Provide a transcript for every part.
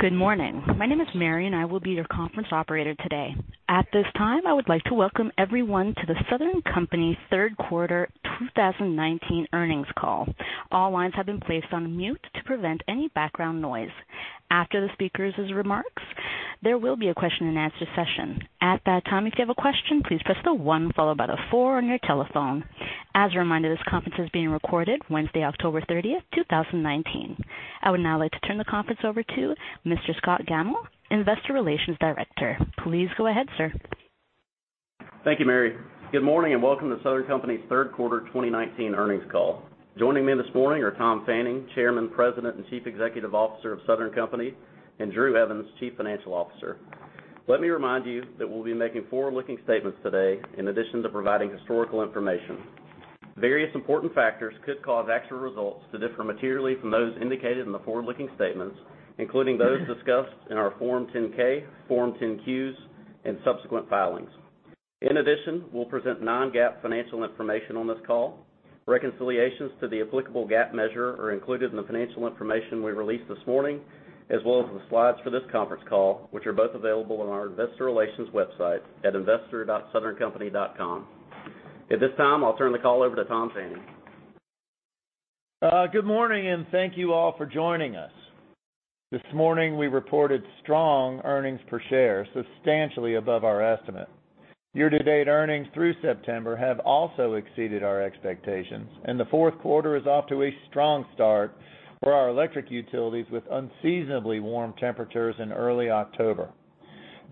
Good morning. My name is Mary, and I will be your conference operator today. At this time, I would like to welcome everyone to The Southern Company third quarter 2019 earnings call. All lines have been placed on mute to prevent any background noise. After the speakers' remarks, there will be a question and answer session. At that time, if you have a question, please press the one followed by the four on your telephone. As a reminder, this conference is being recorded Wednesday, October 30, 2019. I would now like to turn the conference over to Mr. Scott Gammill, Investor Relations Director. Please go ahead, sir. Thank you, Mary. Good morning and welcome to Southern Company's third quarter 2019 earnings call. Joining me this morning are Tom Fanning, Chairman, President, and Chief Executive Officer of Southern Company, and Drew Evans, Chief Financial Officer. Let me remind you that we'll be making forward-looking statements today in addition to providing historical information. Various important factors could cause actual results to differ materially from those indicated in the forward-looking statements, including those discussed in our Form 10-K, Form 10-Qs, and subsequent filings. In addition, we'll present non-GAAP financial information on this call. Reconciliations to the applicable GAAP measure are included in the financial information we released this morning, as well as the slides for this conference call, which are both available on our investor relations website at investor.southerncompany.com. At this time, I'll turn the call over to Tom Fanning. Good morning, and thank you all for joining us. This morning, we reported strong earnings per share, substantially above our estimate. Year-to-date earnings through September have also exceeded our expectations, and the fourth quarter is off to a strong start for our electric utilities with unseasonably warm temperatures in early October.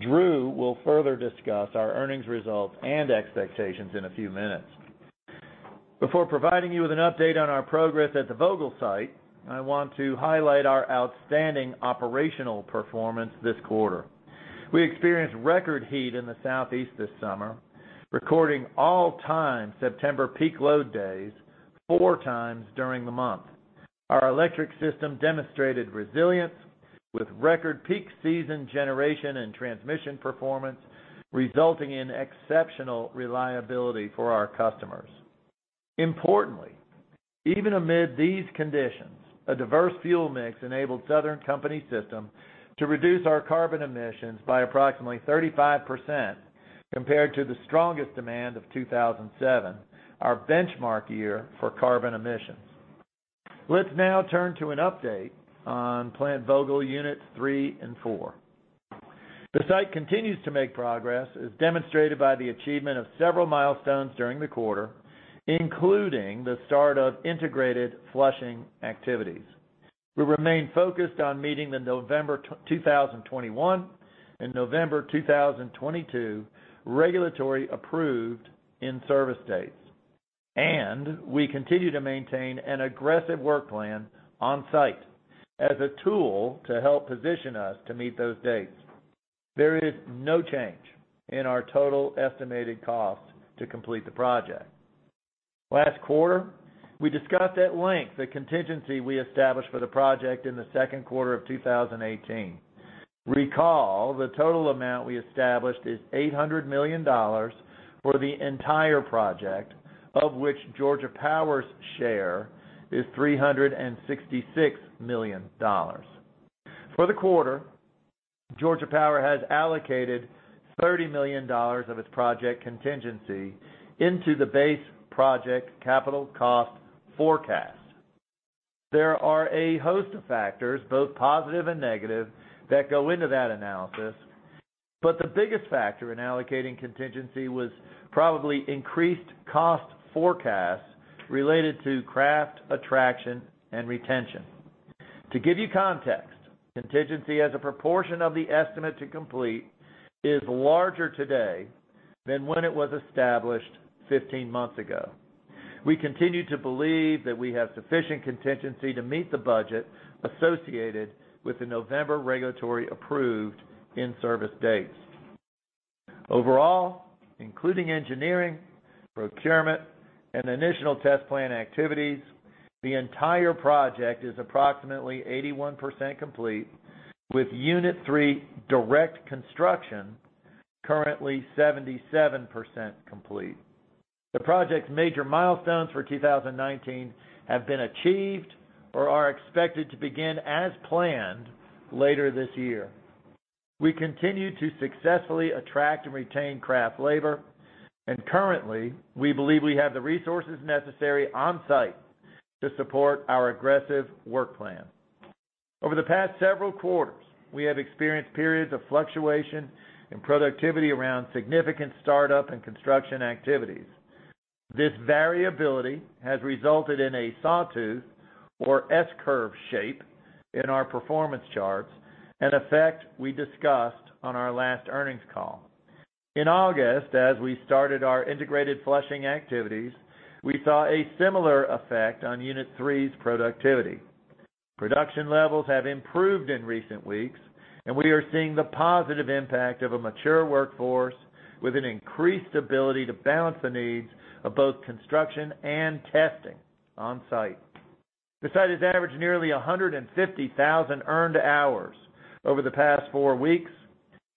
Drew will further discuss our earnings results and expectations in a few minutes. Before providing you with an update on our progress at the Vogtle site, I want to highlight our outstanding operational performance this quarter. We experienced record heat in the Southeast this summer, recording all-time September peak load days four times during the month. Our electric system demonstrated resilience with record peak season generation and transmission performance, resulting in exceptional reliability for our customers. Importantly, even amid these conditions, a diverse fuel mix enabled Southern Company system to reduce our carbon emissions by approximately 35% compared to the strongest demand of 2007, our benchmark year for carbon emissions. Let's now turn to an update on Plant Vogtle units 3 and 4. The site continues to make progress as demonstrated by the achievement of several milestones during the quarter, including the start of integrated flushing activities. We remain focused on meeting the November 2021 and November 2022 regulatory approved in-service dates, and we continue to maintain an aggressive work plan on site as a tool to help position us to meet those dates. There is no change in our total estimated cost to complete the project. Last quarter, we discussed at length the contingency we established for the project in the second quarter of 2018. Recall, the total amount we established is $800 million for the entire project, of which Georgia Power's share is $366 million. For the quarter, Georgia Power has allocated $30 million of its project contingency into the base project capital cost forecast. There are a host of factors, both positive and negative, that go into that analysis, but the biggest factor in allocating contingency was probably increased cost forecast related to craft attraction and retention. To give you context, contingency as a proportion of the estimate to complete is larger today than when it was established 15 months ago. We continue to believe that we have sufficient contingency to meet the budget associated with the November regulatory approved in-service dates. Overall, including engineering, procurement, and initial test plan activities, the entire project is approximately 81% complete, with Unit 3 direct construction currently 77% complete. The project's major milestones for 2019 have been achieved or are expected to begin as planned later this year. Currently, we believe we have the resources necessary on site to support our aggressive work plan. Over the past several quarters, we have experienced periods of fluctuation in productivity around significant startup and construction activities. This variability has resulted in a sawtooth or S-curve shape in our performance charts, an effect we discussed on our last earnings call. In August, as we started our integrated flushing activities, we saw a similar effect on Unit 3's productivity. Production levels have improved in recent weeks. We are seeing the positive impact of a mature workforce with an increased ability to balance the needs of both construction and testing on site. The site has averaged nearly 150,000 earned hours over the past four weeks,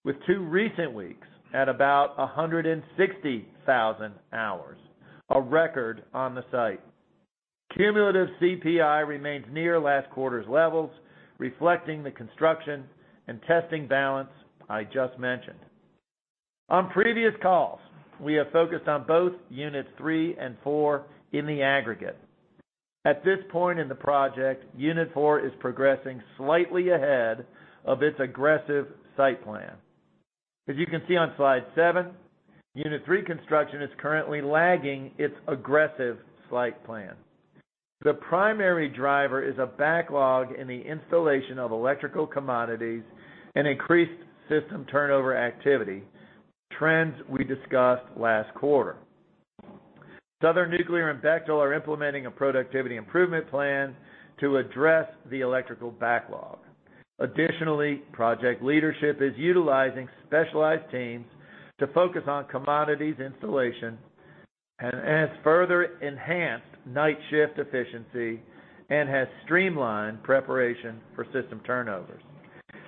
with two recent weeks at about 160,000 hours, a record on the site. Cumulative CPI remains near last quarter's levels, reflecting the construction and testing balance I just mentioned. On previous calls, we have focused on both units three and four in the aggregate. At this point in the project, unit four is progressing slightly ahead of its aggressive site plan. As you can see on slide seven, unit three construction is currently lagging its aggressive site plan. The primary driver is a backlog in the installation of electrical commodities and increased system turnover activity, trends we discussed last quarter. Southern Nuclear and Bechtel are implementing a productivity improvement plan to address the electrical backlog. Project leadership is utilizing specialized teams to focus on commodities installation and has further enhanced night shift efficiency and has streamlined preparation for system turnovers.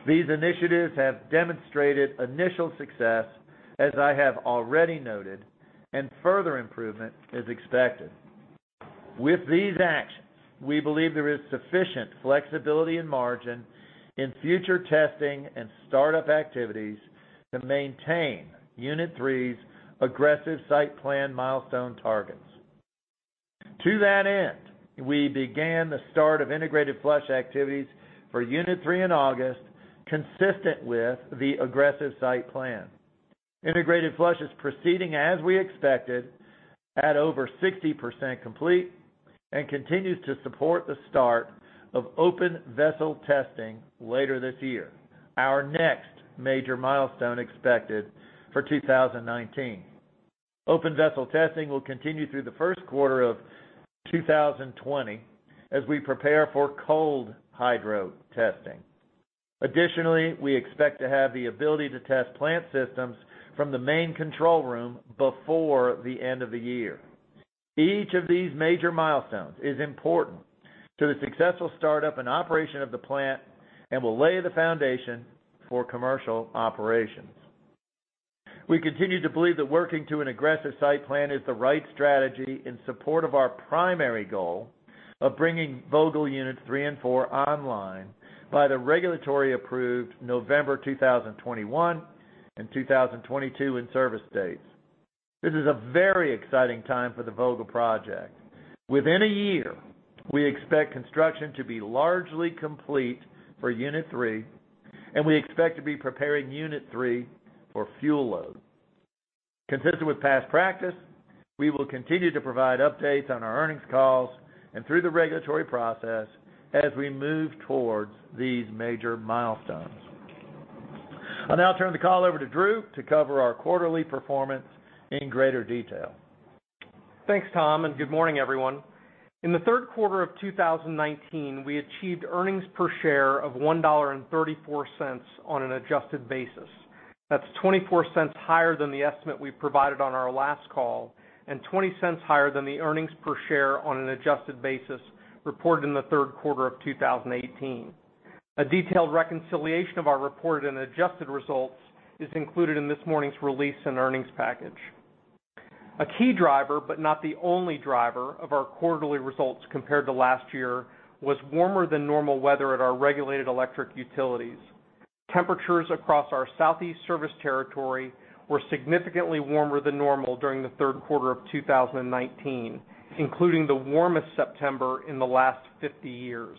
These initiatives have demonstrated initial success, as I have already noted, and further improvement is expected. With these actions, we believe there is sufficient flexibility and margin in future testing and startup activities to maintain unit 3's aggressive site plan milestone targets. We began the start of integrated flush activities for unit 3 in August, consistent with the aggressive site plan. integrated flush is proceeding as we expected at over 60% complete and continues to support the start of open vessel testing later this year, our next major milestone expected for 2019. open vessel testing will continue through the first quarter of 2020 as we prepare for cold hydro testing. Additionally, we expect to have the ability to test plant systems from the main control room before the end of the year. Each of these major milestones is important to the successful startup and operation of the plant and will lay the foundation for commercial operations. We continue to believe that working to an aggressive site plan is the right strategy in support of our primary goal of bringing Vogtle units 3 and 4 online by the regulatory approved November 2021 and 2022 in-service dates. This is a very exciting time for the Vogtle project. Within a year, we expect construction to be largely complete for Unit 3, and we expect to be preparing Unit 3 for fuel load. Consistent with past practice, we will continue to provide updates on our earnings calls and through the regulatory process as we move towards these major milestones. I'll now turn the call over to Drew to cover our quarterly performance in greater detail. Thanks, Tom, and good morning, everyone. In the third quarter of 2019, we achieved earnings per share of $1.34 on an adjusted basis. That's $0.24 higher than the estimate we provided on our last call and $0.20 higher than the earnings per share on an adjusted basis reported in the third quarter of 2018. A detailed reconciliation of our reported and adjusted results is included in this morning's release and earnings package. A key driver, but not the only driver of our quarterly results compared to last year, was warmer than normal weather at our regulated electric utilities. Temperatures across our southeast service territory were significantly warmer than normal during the third quarter of 2019, including the warmest September in the last 50 years,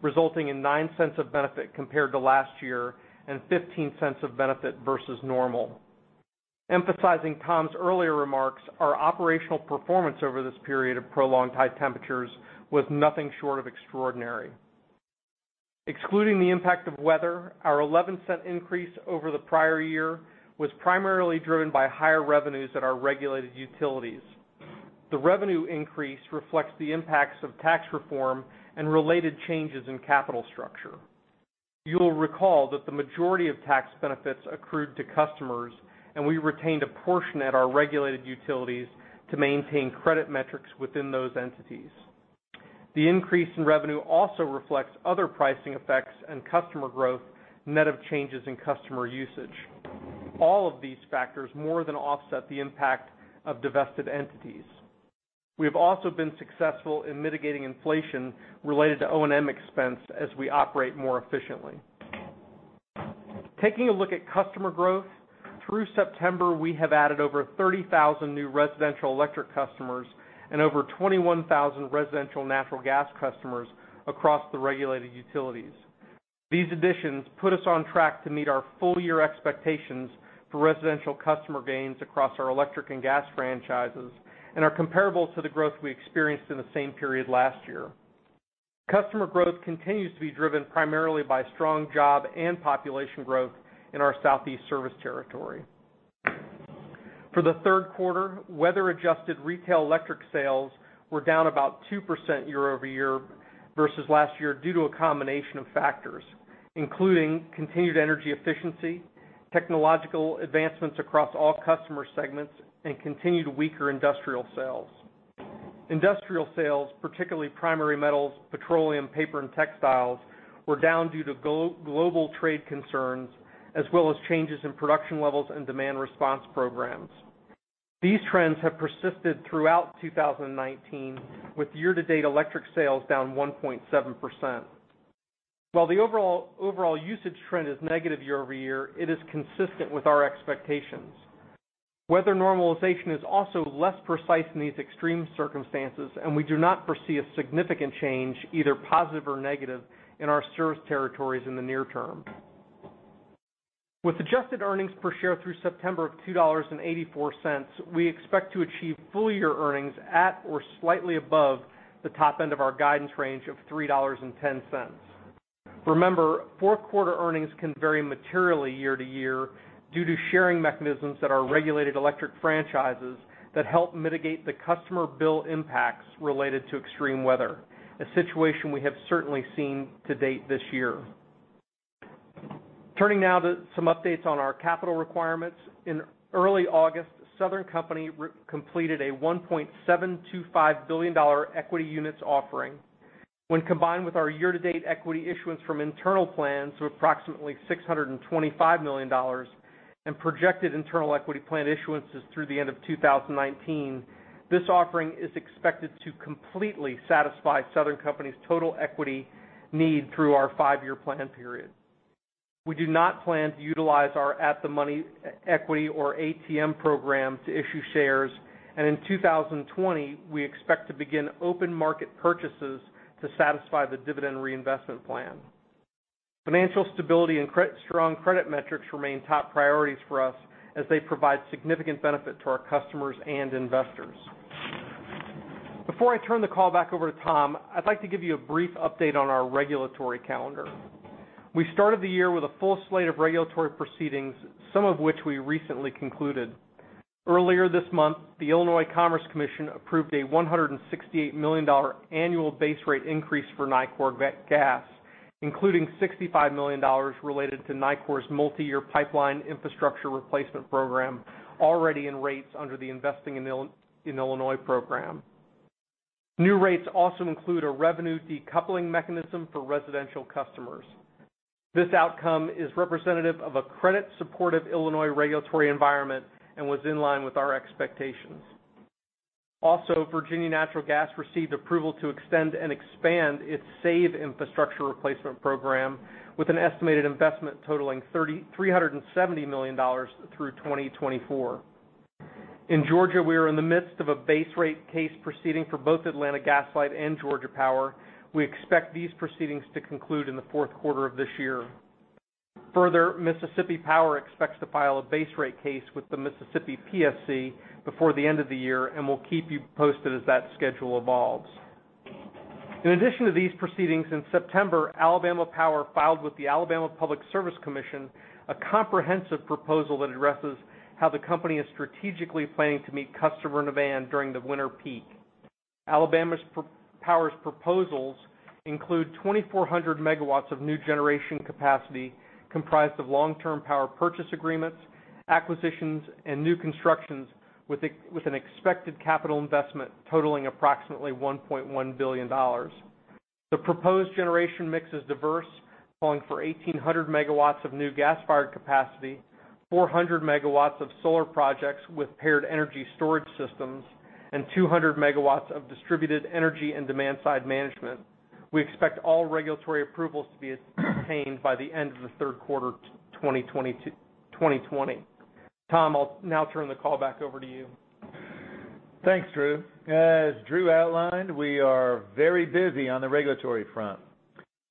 resulting in $0.09 of benefit compared to last year and $0.15 of benefit versus normal. Emphasizing Tom's earlier remarks, our operational performance over this period of prolonged high temperatures was nothing short of extraordinary. Excluding the impact of weather, our $0.11 increase over the prior year was primarily driven by higher revenues at our regulated utilities. The revenue increase reflects the impacts of tax reform and related changes in capital structure. You'll recall that the majority of tax benefits accrued to customers, and we retained a portion at our regulated utilities to maintain credit metrics within those entities. The increase in revenue also reflects other pricing effects and customer growth, net of changes in customer usage. All of these factors more than offset the impact of divested entities. We have also been successful in mitigating inflation related to O&M expense as we operate more efficiently. Taking a look at customer growth, through September, we have added over 30,000 new residential electric customers and over 21,000 residential natural gas customers across the regulated utilities. These additions put us on track to meet our full-year expectations for residential customer gains across our electric and gas franchises and are comparable to the growth we experienced in the same period last year. Customer growth continues to be driven primarily by strong job and population growth in our Southeast service territory. For the third quarter, weather-adjusted retail electric sales were down about 2% year-over-year versus last year due to a combination of factors, including continued energy efficiency, technological advancements across all customer segments, and continued weaker industrial sales. Industrial sales, particularly primary metals, petroleum, paper, and textiles, were down due to global trade concerns as well as changes in production levels and demand response programs. These trends have persisted throughout 2019 with year-to-date electric sales down 1.7%. While the overall usage trend is negative year-over-year, it is consistent with our expectations. Weather normalization is also less precise in these extreme circumstances, and we do not foresee a significant change, either positive or negative, in our service territories in the near term. With adjusted earnings per share through September of $2.84, we expect to achieve full-year earnings at or slightly above the top end of our guidance range of $3.10. Remember, fourth quarter earnings can vary materially year-to-year due to sharing mechanisms that are regulated electric franchises that help mitigate the customer bill impacts related to extreme weather, a situation we have certainly seen to date this year. Turning now to some updates on our capital requirements. In early August, Southern Company completed a $1.725 billion equity units offering. When combined with our year-to-date equity issuance from internal plans of approximately $625 million and projected internal equity plan issuances through the end of 2019, this offering is expected to completely satisfy Southern Company's total equity need through our five-year plan period. In 2020, we expect to begin open market purchases to satisfy the dividend reinvestment plan. Financial stability and strong credit metrics remain top priorities for us as they provide significant benefit to our customers and investors. Before I turn the call back over to Tom, I'd like to give you a brief update on our regulatory calendar. We started the year with a full slate of regulatory proceedings, some of which we recently concluded. Earlier this month, the Illinois Commerce Commission approved a $168 million annual base rate increase for Nicor Gas, including $65 million related to Nicor's multi-year pipeline infrastructure replacement program, already in rates under the Investing in Illinois program. New rates also include a revenue decoupling mechanism for residential customers. This outcome is representative of a credit supportive Illinois regulatory environment and was in line with our expectations. Virginia Natural Gas received approval to extend and expand its SAVE infrastructure replacement program with an estimated investment totaling $370 million through 2024. In Georgia, we are in the midst of a base rate case proceeding for both Atlanta Gas Light and Georgia Power. We expect these proceedings to conclude in the fourth quarter of this year. Further, Mississippi Power expects to file a base rate case with the Mississippi PSC before the end of the year, and we'll keep you posted as that schedule evolves. In addition to these proceedings, in September, Alabama Power filed with the Alabama Public Service Commission a comprehensive proposal that addresses how the company is strategically planning to meet customer demand during the winter peak. Alabama Power's proposals include 2,400 megawatts of new generation capacity comprised of long-term power purchase agreements, acquisitions, and new constructions with an expected capital investment totaling approximately $1.1 billion. The proposed generation mix is diverse, calling for 1,800 megawatts of new gas-fired capacity, 400 megawatts of solar projects with paired energy storage systems, and 200 megawatts of distributed energy and demand-side management. We expect all regulatory approvals to be obtained by the end of the third quarter 2020. Tom, I'll now turn the call back over to you. Thanks, Drew. As Drew outlined, we are very busy on the regulatory front.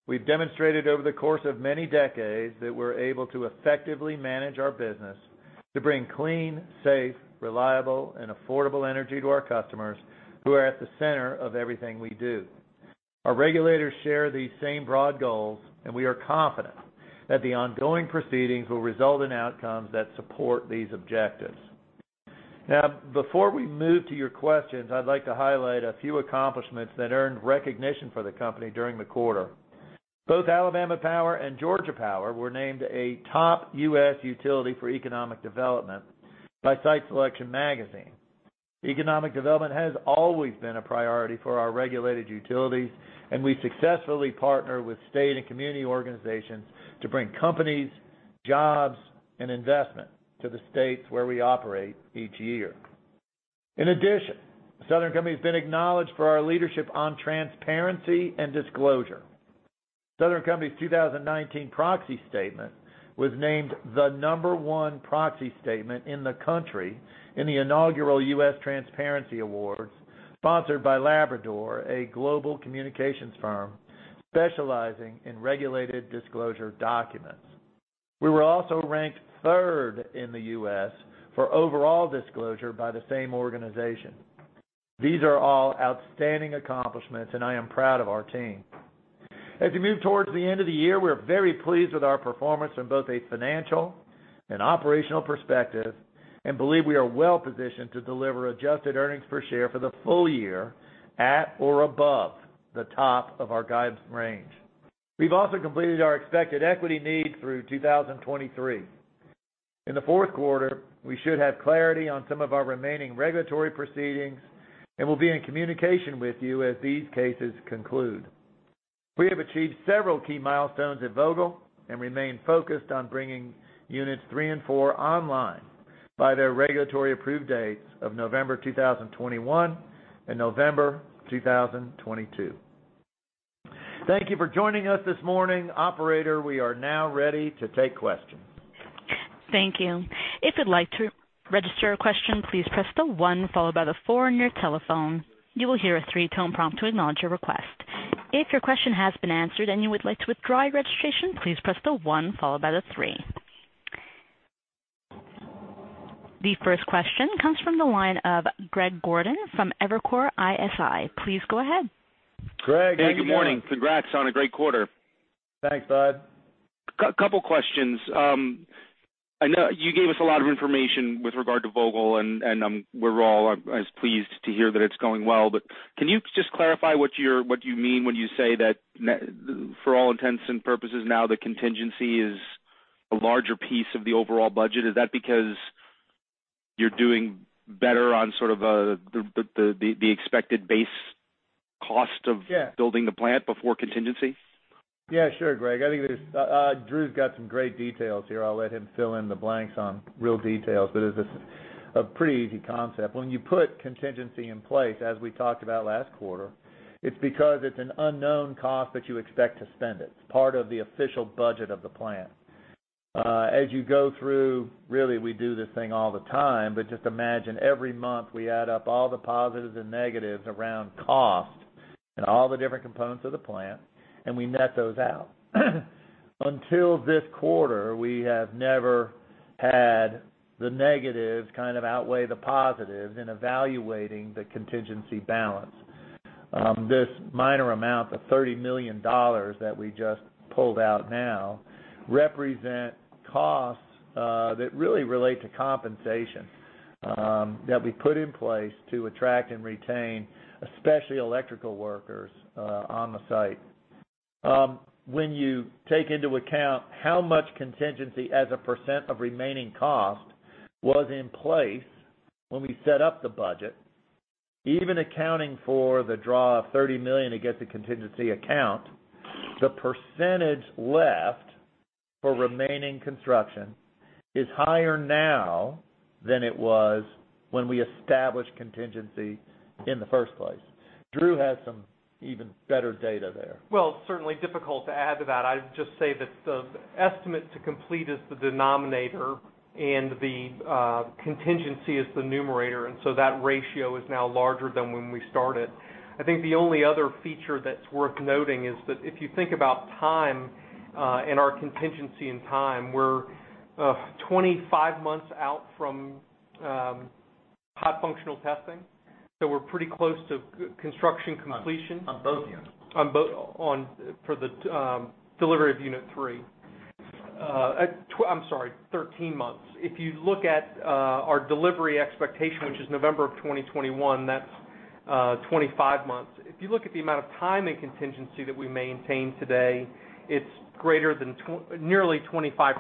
We've demonstrated over the course of many decades that we're able to effectively manage our business to bring clean, safe, reliable, and affordable energy to our customers who are at the center of everything we do. Our regulators share these same broad goals, and we are confident that the ongoing proceedings will result in outcomes that support these objectives. Now, before we move to your questions, I'd like to highlight a few accomplishments that earned recognition for the company during the quarter. Both Alabama Power and Georgia Power were named a top U.S. utility for economic development by Site Selection magazine. Economic development has always been a priority for our regulated utilities, and we successfully partner with state and community organizations to bring companies, jobs, and investment to the states where we operate each year. Southern Company has been acknowledged for our leadership on transparency and disclosure. Southern Company's 2019 proxy statement was named the number 1 proxy statement in the country in the inaugural U.S. Transparency Awards, sponsored by Labrador, a global communications firm specializing in regulated disclosure documents. We were also ranked third in the U.S. for overall disclosure by the same organization. These are all outstanding accomplishments. I am proud of our team. As we move towards the end of the year, we are very pleased with our performance from both a financial and operational perspective, and believe we are well-positioned to deliver adjusted earnings per share for the full year at or above the top of our guidance range. We've also completed our expected equity needs through 2023. In the fourth quarter, we should have clarity on some of our remaining regulatory proceedings, and we'll be in communication with you as these cases conclude. We have achieved several key milestones at Vogtle and remain focused on bringing units three and four online. By their regulatory approved dates of November 2021 and November 2022. Thank you for joining us this morning. Operator, we are now ready to take questions. Thank you. If you'd like to register a question, please press the one followed by the four on your telephone. You will hear a three-tone prompt to acknowledge your request. If your question has been answered and you would like to withdraw your registration, please press the one followed by the three. The first question comes from the line of Greg Gordon from Evercore ISI. Please go ahead. Greg, how you doing? Hey, good morning. Congrats on a great quarter. Thanks, Bud. Couple questions. I know you gave us a lot of information with regard to Plant Vogtle, and we're all as pleased to hear that it's going well. Can you just clarify what you mean when you say that for all intents and purposes now the contingency is a larger piece of the overall budget? Is that because you're doing better on sort of the expected base cost? Yeah building the plant before contingency? Yeah, sure, Greg. I think Drew's got some great details here. I'll let him fill in the blanks on real details. It's a pretty easy concept. When you put contingency in place, as we talked about last quarter, it's because it's an unknown cost, but you expect to spend it. It's part of the official budget of the plant. You go through, really, we do this thing all the time, but just imagine every month we add up all the positives and negatives around cost and all the different components of the plant, and we net those out. Until this quarter, we have never had the negatives kind of outweigh the positives in evaluating the contingency balance. This minor amount of $30 million that we just pulled out now represent costs that really relate to compensation that we put in place to attract and retain, especially electrical workers on the site. When you take into account how much contingency as a % of remaining cost was in place when we set up the budget, even accounting for the draw of $30 million against the contingency account, the percentage left for remaining construction is higher now than it was when we established contingency in the first place. Drew has some even better data there. Well, it's certainly difficult to add to that. I'd just say that the estimate to complete is the denominator and the contingency is the numerator, and so that ratio is now larger than when we started. I think the only other feature that's worth noting is that if you think about time and our contingency in time, we're 25 months out from hot functional testing. We're pretty close to construction completion. On both units. For the delivery of unit three. I'm sorry, 13 months. If you look at our delivery expectation, which is November of 2021, that's 25 months. If you look at the amount of time and contingency that we maintain today, it's greater than nearly 25%,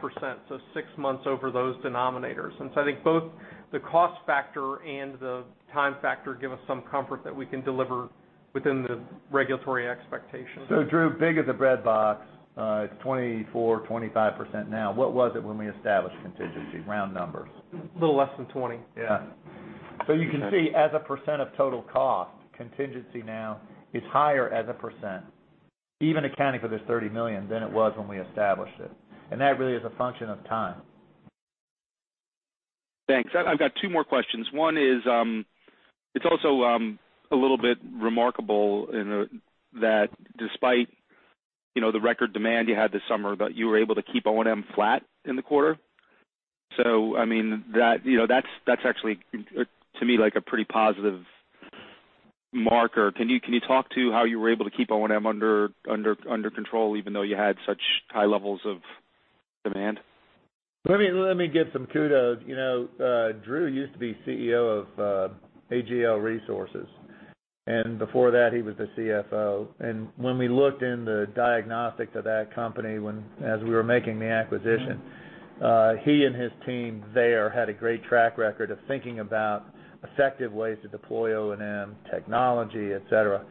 so six months over those denominators. I think both the cost factor and the time factor give us some comfort that we can deliver within the regulatory expectations. Drew, big of the bread box, it's 24%-25% now. What was it when we established contingency? Round numbers. Little less than 20. Yeah. You can see as a % of total cost, contingency now is higher as a %, even accounting for this $30 million, than it was when we established it. That really is a function of time. Thanks. I've got two more questions. One is, it's also a little bit remarkable in that despite the record demand you had this summer, that you were able to keep O&M flat in the quarter. I mean, that's actually, to me, a pretty positive marker. Can you talk to how you were able to keep O&M under control even though you had such high levels of demand? Let me give some kudos. Drew used to be CEO of AGL Resources, and before that, he was the CFO. When we looked in the diagnostic of that company as we were making the acquisition. He and his team there had a great track record of thinking about effective ways to deploy O&M, technology, et cetera.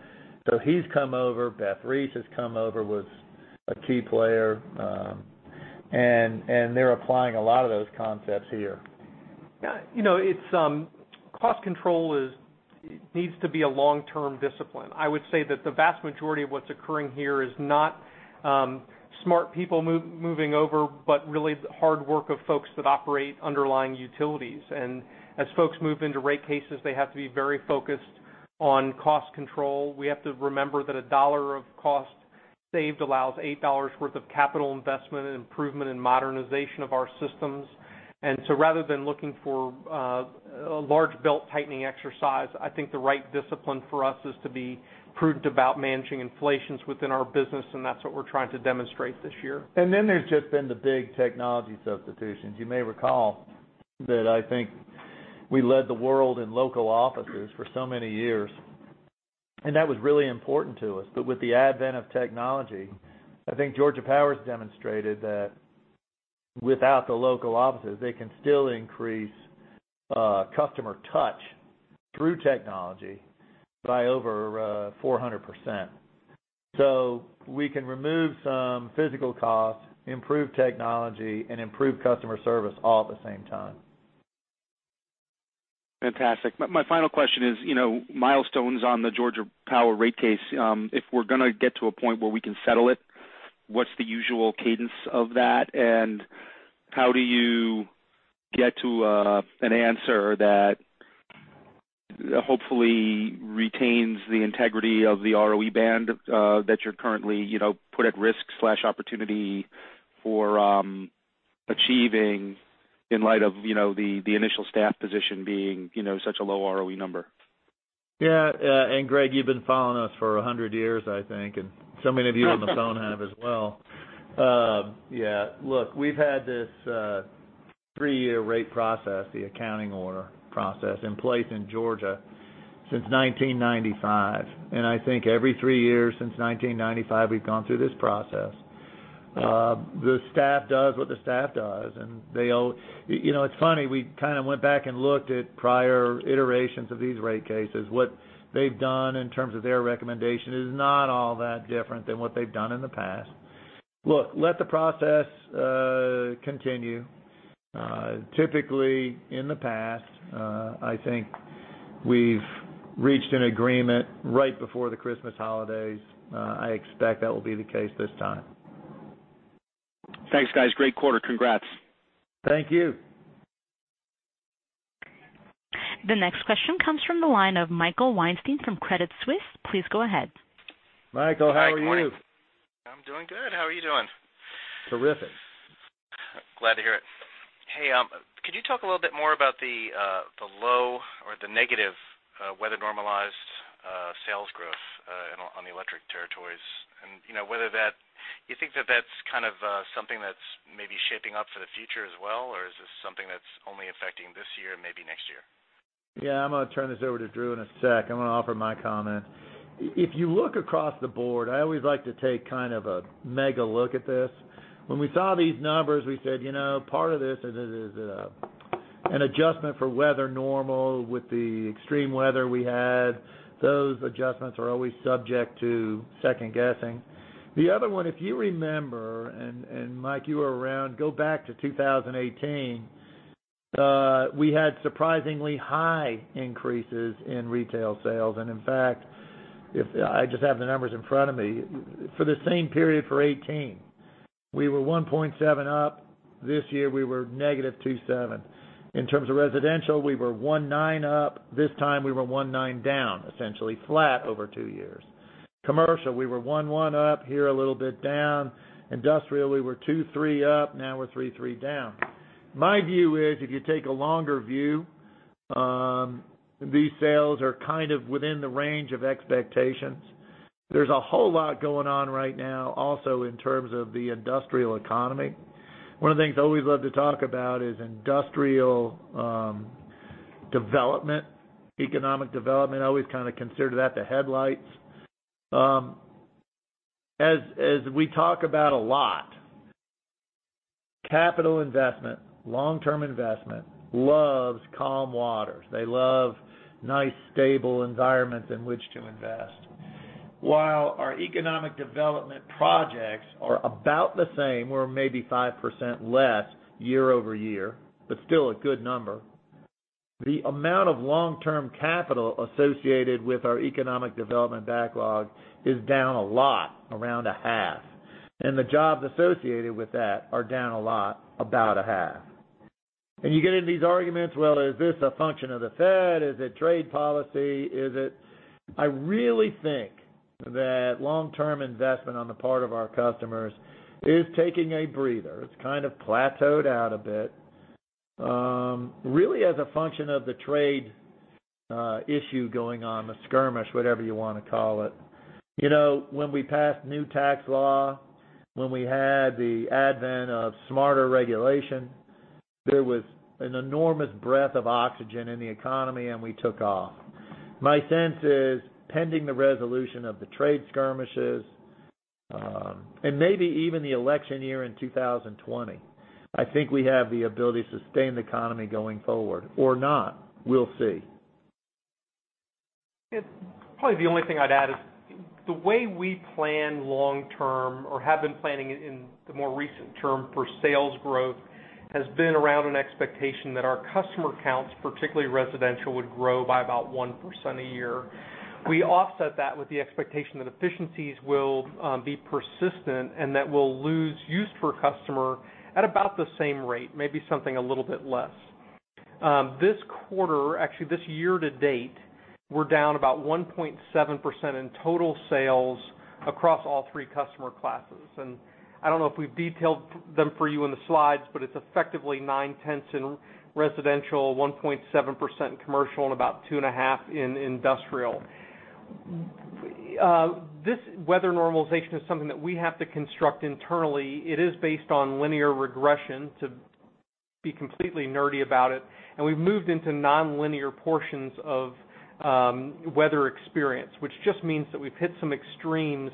He's come over. Beth Reese has come over, was a key player. They're applying a lot of those concepts here. Yeah. Cost control needs to be a long-term discipline. I would say that the vast majority of what's occurring here is not smart people moving over, but really the hard work of folks that operate underlying utilities. As folks move into rate cases, they have to be very focused on cost control. We have to remember that $1 of cost saved allows $8 worth of capital investment and improvement in modernization of our systems. Rather than looking for a large belt-tightening exercise, I think the right discipline for us is to be prudent about managing inflations within our business, and that's what we're trying to demonstrate this year. There's just been the big technology substitutions. You may recall that I think we led the world in local offices for so many years, and that was really important to us. With the advent of technology, I think Georgia Power's demonstrated that without the local offices, they can still increase customer touch through technology by over 400%. We can remove some physical costs, improve technology, and improve customer service all at the same time. Fantastic. My final question is milestones on the Georgia Power rate case, if we're going to get to a point where we can settle it, what's the usual cadence of that? How do you get to an answer that hopefully retains the integrity of the ROE band that you're currently put at risk/opportunity for achieving in light of the initial staff position being such a low ROE number? Yeah. Greg, you've been following us for 100 years, I think, and so many of you on the phone have as well. Yeah, look, we've had this three-year rate process, the accounting order process, in place in Georgia since 1995. I think every three years since 1995, we've gone through this process. The staff does what the staff does. It's funny, we kind of went back and looked at prior iterations of these rate cases. What they've done in terms of their recommendation is not all that different than what they've done in the past. Look, let the process continue. Typically, in the past, I think we've reached an agreement right before the Christmas holidays. I expect that will be the case this time. Thanks, guys. Great quarter. Congrats. Thank you. The next question comes from the line of Michael Weinstein from Credit Suisse. Please go ahead. Michael, how are you? Hi, good morning. I'm doing good. How are you doing? Terrific. Glad to hear it. Hey, could you talk a little bit more about the low or the negative weather-normalized sales growth on the electric territories and whether you think that that's kind of something that's maybe shaping up for the future as well, or is this something that's only affecting this year and maybe next year? Yeah, I'm going to turn this over to Drew in a sec. I'm going to offer my comment. If you look across the board, I always like to take kind of a mega look at this. When we saw these numbers, we said, part of this is an adjustment for weather normal with the extreme weather we had. Those adjustments are always subject to second-guessing. The other one, if you remember, Michael, you were around, go back to 2018, we had surprisingly high increases in retail sales. In fact, I just have the numbers in front of me. For the same period for 2018, we were 1.7 up. This year, we were negative 2.7. In terms of residential, we were 1.9 up. This time, we were 1.9 down, essentially flat over two years. Commercial, we were 1.1 up. Here, a little bit down. Industrial, we were 2-3 up. Now we're 3-3 down. My view is if you take a longer view, these sales are kind of within the range of expectations. There's a whole lot going on right now also in terms of the industrial economy. One of the things I always love to talk about is industrial development, economic development. I always kind of consider that the headlights. As we talk about a lot, capital investment, long-term investment, loves calm waters. They love nice, stable environments in which to invest. While our economic development projects are about the same or maybe 5% less year-over-year, but still a good number, the amount of long-term capital associated with our economic development backlog is down a lot, around a half. The jobs associated with that are down a lot, about a half. You get into these arguments, well, is this a function of the Fed? Is it trade policy? I really think that long-term investment on the part of our customers is taking a breather. It's kind of plateaued out a bit, really as a function of the trade issue going on, the skirmish, whatever you want to call it. We passed new tax law, when we had the advent of smarter regulation, there was an enormous breath of oxygen in the economy, and we took off. My sense is, pending the resolution of the trade skirmishes, and maybe even the election year in 2020, I think we have the ability to sustain the economy going forward or not. We'll see. Probably the only thing I'd add is the way we plan long-term or have been planning in the more recent term for sales growth has been around an expectation that our customer counts, particularly residential, would grow by about 1% a year. We offset that with the expectation that efficiencies will be persistent and that we'll lose use per customer at about the same rate, maybe something a little bit less. This quarter, actually this year to date, we're down about 1.7% in total sales across all 3 customer classes. I don't know if we've detailed them for you in the slides, but it's effectively nine tenths in residential, 1.7% in commercial, and about two and a half in industrial. This weather normalization is something that we have to construct internally. It is based on linear regression to be completely nerdy about it, and we've moved into nonlinear portions of weather experience, which just means that we've hit some extremes.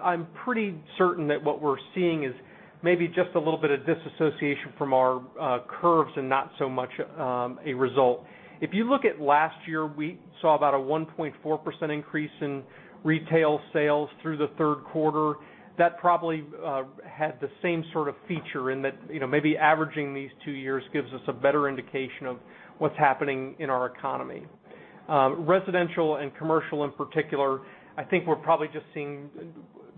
I'm pretty certain that what we're seeing is maybe just a little bit of disassociation from our curves and not so much a result. If you look at last year, we saw about a 1.4% increase in retail sales through the third quarter. That probably had the same sort of feature in that maybe averaging these two years gives us a better indication of what's happening in our economy. Residential and commercial in particular, I think we're probably just seeing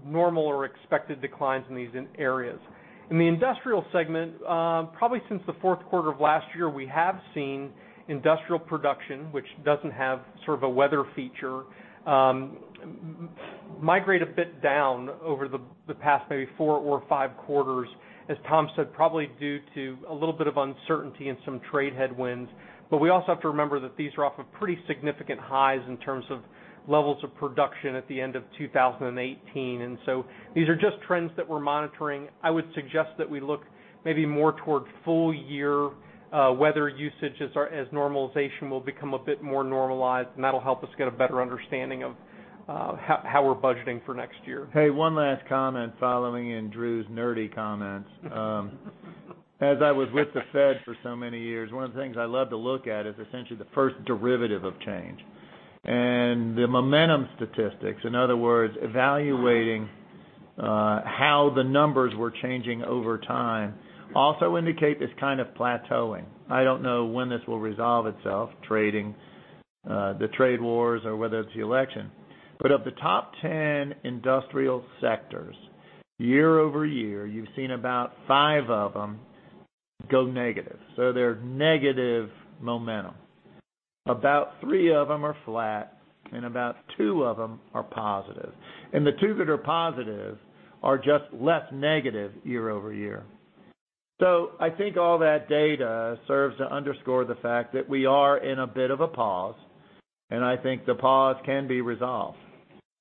normal or expected declines in these areas. In the industrial segment, probably since the fourth quarter of last year, we have seen industrial production, which doesn't have sort of a weather feature, migrate a bit down over the past maybe four or five quarters, as Tom said, probably due to a little bit of uncertainty and some trade headwinds. We also have to remember that these are off of pretty significant highs in terms of levels of production at the end of 2018. These are just trends that we're monitoring. I would suggest that we look maybe more toward full year weather usage as normalization will become a bit more normalized, and that'll help us get a better understanding of how we're budgeting for next year. Hey, one last comment following in Drew's nerdy comments. As I was with the Fed for so many years, one of the things I love to look at is essentially the first derivative of change. The momentum statistics, in other words, evaluating how the numbers were changing over time, also indicate this kind of plateauing. I don't know when this will resolve itself, trading, the trade wars or whether it's the election. Of the top 10 industrial sectors, year-over-year, you've seen about five of them go negative. They're negative momentum. About three of them are flat and about two of them are positive. The two that are positive are just less negative year-over-year. I think all that data serves to underscore the fact that we are in a bit of a pause, and I think the pause can be resolved.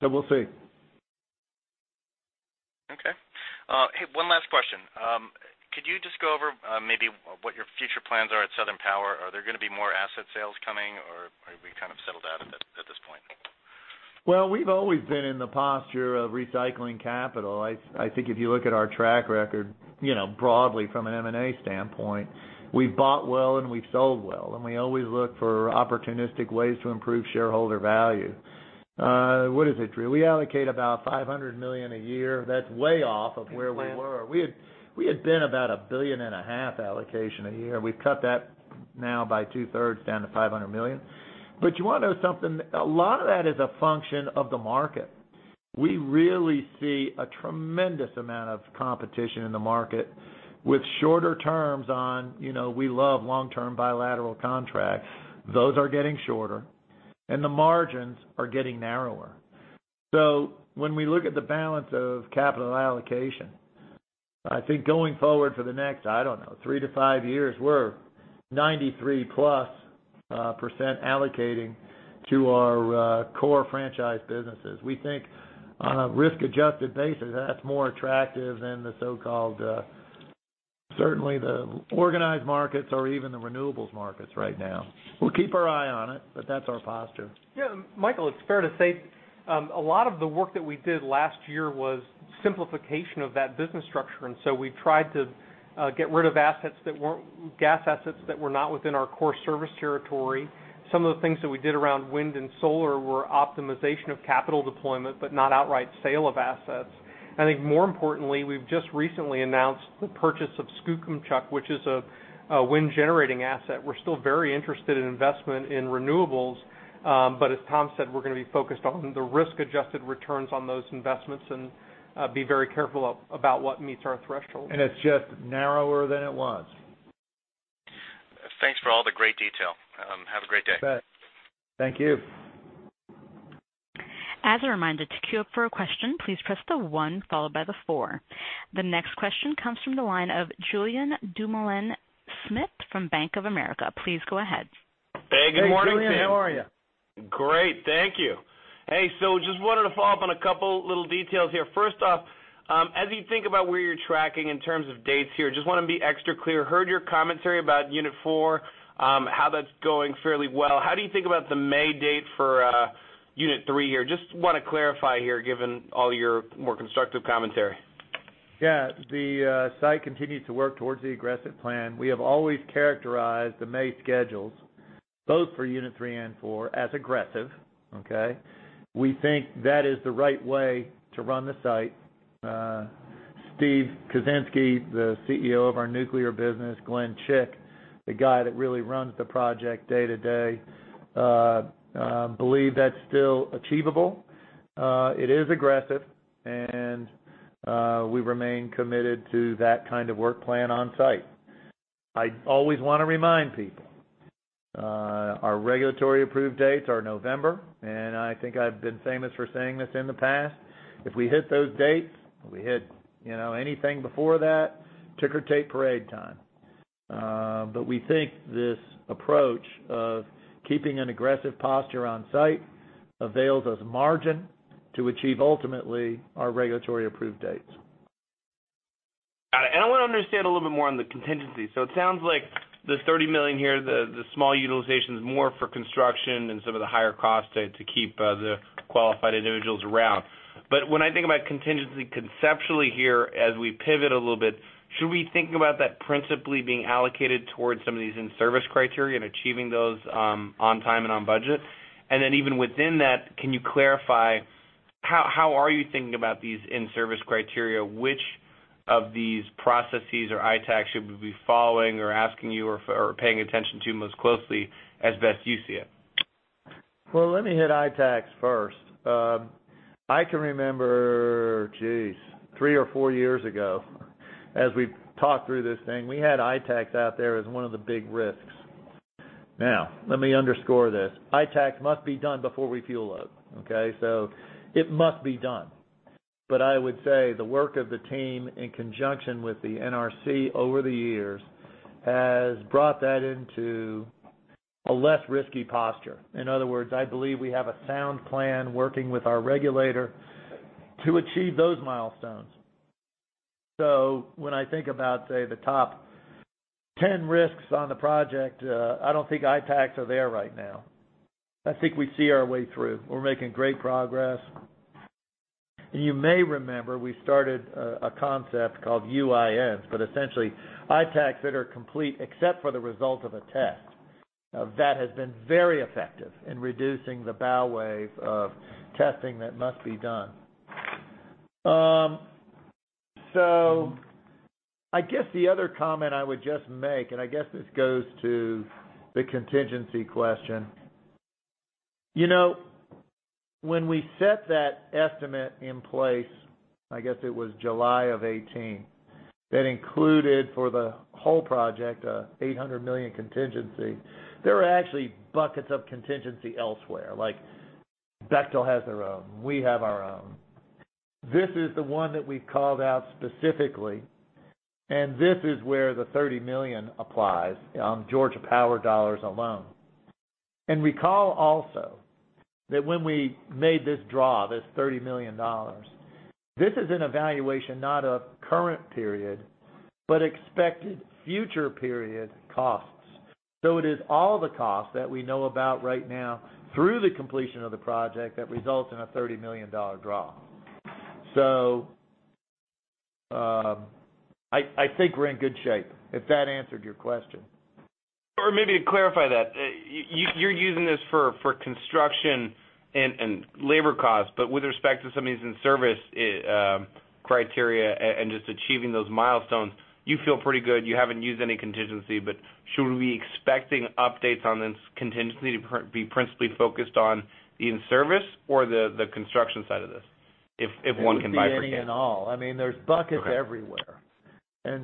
We'll see. Hey, one last question. Could you just go over maybe what your future plans are at Southern Power? Are there going to be more asset sales coming or are we kind of settled out at this point? Well, we've always been in the posture of recycling capital. I think if you look at our track record broadly from an M&A standpoint, we've bought well and we've sold well, and we always look for opportunistic ways to improve shareholder value. What is it, Drew? We allocate about $500 million a year. That's way off of where we were. It's way off. We had been about a billion and a half allocation a year. We've cut that now by two-thirds down to $500 million. You want to know something? A lot of that is a function of the market. We really see a tremendous amount of competition in the market with shorter terms. We love long-term bilateral contracts. Those are getting shorter, and the margins are getting narrower. When we look at the balance of capital allocation, I think going forward for the next, I don't know, 3-5 years, we're 93% plus allocating to our core franchise businesses. We think on a risk-adjusted basis, that's more attractive than the so-called, certainly the organized markets or even the renewables markets right now. We'll keep our eye on it, but that's our posture. Yeah, Michael, it's fair to say a lot of the work that we did last year was simplification of that business structure. We tried to get rid of gas assets that were not within our core service territory. Some of the things that we did around wind and solar were optimization of capital deployment, not outright sale of assets. I think more importantly, we've just recently announced the purchase of Skookumchuck, which is a wind-generating asset. We're still very interested in investment in renewables. As Tom said, we're going to be focused on the risk-adjusted returns on those investments and be very careful about what meets our threshold. It's just narrower than it was. Thanks for all the great detail. Have a great day. You bet. Thank you. As a reminder, to queue up for a question, please press the one followed by the four. The next question comes from the line of Julien Dumoulin-Smith from Bank of America. Please go ahead. Hey, good morning, team. Hey, Julien, how are you? Great. Thank you. Hey, just wanted to follow up on a couple little details here. First off, as you think about where you're tracking in terms of dates here, just want to be extra clear. Heard your commentary about unit 4, how that's going fairly well. How do you think about the May date for unit 3 here? Just want to clarify here given all your more constructive commentary. Yeah. The site continues to work towards the aggressive plan. We have always characterized the May schedules, both for unit 3 and 4, as aggressive, okay? We think that is the right way to run the site. Stephen Kuczynski, the CEO of our nuclear business, Glen Chick, the guy that really runs the project day to day, believe that's still achievable. It is aggressive and we remain committed to that kind of work plan on site. I always want to remind people, our regulatory approved dates are November, and I think I've been famous for saying this in the past. If we hit those dates, if we hit anything before that, ticker tape parade time. We think this approach of keeping an aggressive posture on site avails us margin to achieve ultimately our regulatory approved dates. Got it. I want to understand a little bit more on the contingency. It sounds like the $30 million here, the small utilization is more for construction and some of the higher costs to keep the qualified individuals around. When I think about contingency conceptually here, as we pivot a little bit, should we think about that principally being allocated towards some of these in-service criteria and achieving those on time and on budget? Even within that, can you clarify, how are you thinking about these in-service criteria? Which of these processes or ITAACs should we be following or asking you or paying attention to most closely as best you see it? Well, let me hit ITACs first. I can remember, geez, three or four years ago, as we talked through this thing, we had ITACs out there as one of the big risks. Let me underscore this. ITACs must be done before we fuel load. Okay? It must be done. I would say the work of the team in conjunction with the NRC over the years has brought that into a less risky posture. In other words, I believe we have a sound plan working with our regulator to achieve those milestones. When I think about, say, the top 10 risks on the project, I don't think ITACs are there right now. I think we see our way through. We're making great progress. You may remember, we started a concept called UINs, but essentially ITACs that are complete except for the result of a test. That has been very effective in reducing the bow wave of testing that must be done. I guess the other comment I would just make, and I guess this goes to the contingency question. When we set that estimate in place, I guess it was July of 2018, that included for the whole project, a $800 million contingency. There are actually buckets of contingency elsewhere, like Bechtel has their own, we have our own. This is the one that we've called out specifically, and this is where the $30 million applies on Georgia Power dollars alone. Recall also that when we made this draw, this $30 million, this is an evaluation not of current period, but expected future period costs. It is all the costs that we know about right now through the completion of the project that results in a $30 million draw. I think we're in good shape, if that answered your question. Maybe to clarify that, you're using this for construction and labor costs. With respect to some of these in-service criteria and just achieving those milestones, you feel pretty good. You haven't used any contingency, should we be expecting updates on this contingency to be principally focused on the in-service or the construction side of this, if one can bifurcate? It could be any and all. There's buckets everywhere. Okay.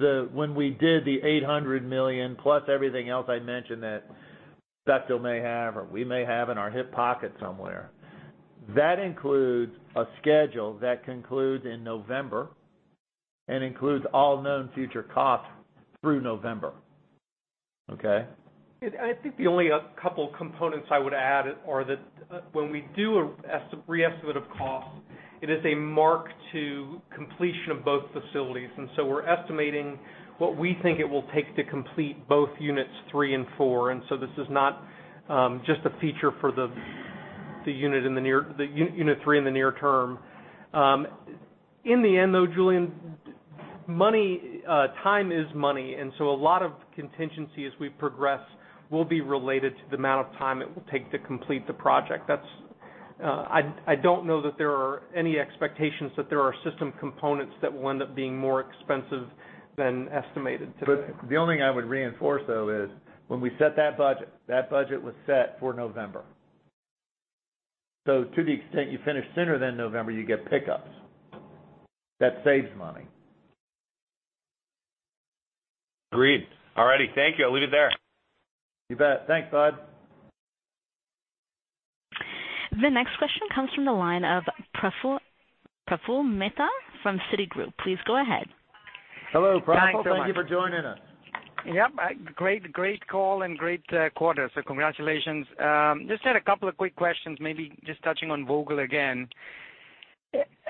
When we did the $800 million plus everything else I mentioned that Bechtel may have or we may have in our hip pocket somewhere, that includes a schedule that concludes in November and includes all known future costs through November. Okay? I think the only couple components I would add are that when we do a re-estimate of costs, it is a mark to completion of both facilities. We're estimating what we think it will take to complete both units 3 and 4. This is not just a feature for the unit 3 in the near term. In the end, though, Julien, time is money, a lot of contingency as we progress will be related to the amount of time it will take to complete the project. I don't know that there are any expectations that there are system components that will end up being more expensive than estimated today. The only thing I would reinforce, though, is when we set that budget, that budget was set for November. To the extent you finish sooner than November, you get pickups. That saves money. Agreed. All righty. Thank you. I'll leave it there. You bet. Thanks, bud. The next question comes from the line of Praful Mehta from Citigroup. Please go ahead. Hello, Praful. Thanks so much. Thank you for joining us. Yep. Great call and great quarter. Congratulations. Just had a couple of quick questions, maybe just touching on Vogtle again.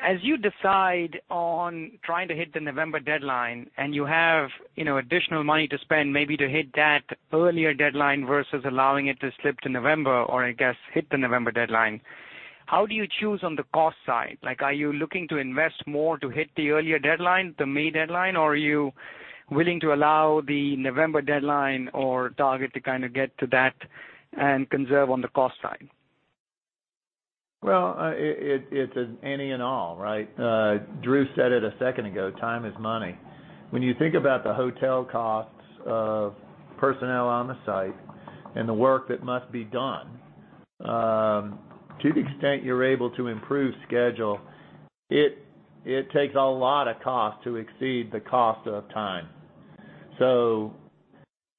As you decide on trying to hit the November deadline, and you have additional money to spend, maybe to hit that earlier deadline versus allowing it to slip to November or I guess hit the November deadline. How do you choose on the cost side? Are you looking to invest more to hit the earlier deadline, the May deadline, or are you willing to allow the November deadline or target to kind of get to that and conserve on the cost side? It's an any and all, right? Drew said it a second ago, time is money. When you think about the hotel costs of personnel on the site and the work that must be done, to the extent you're able to improve schedule, it takes a lot of cost to exceed the cost of time.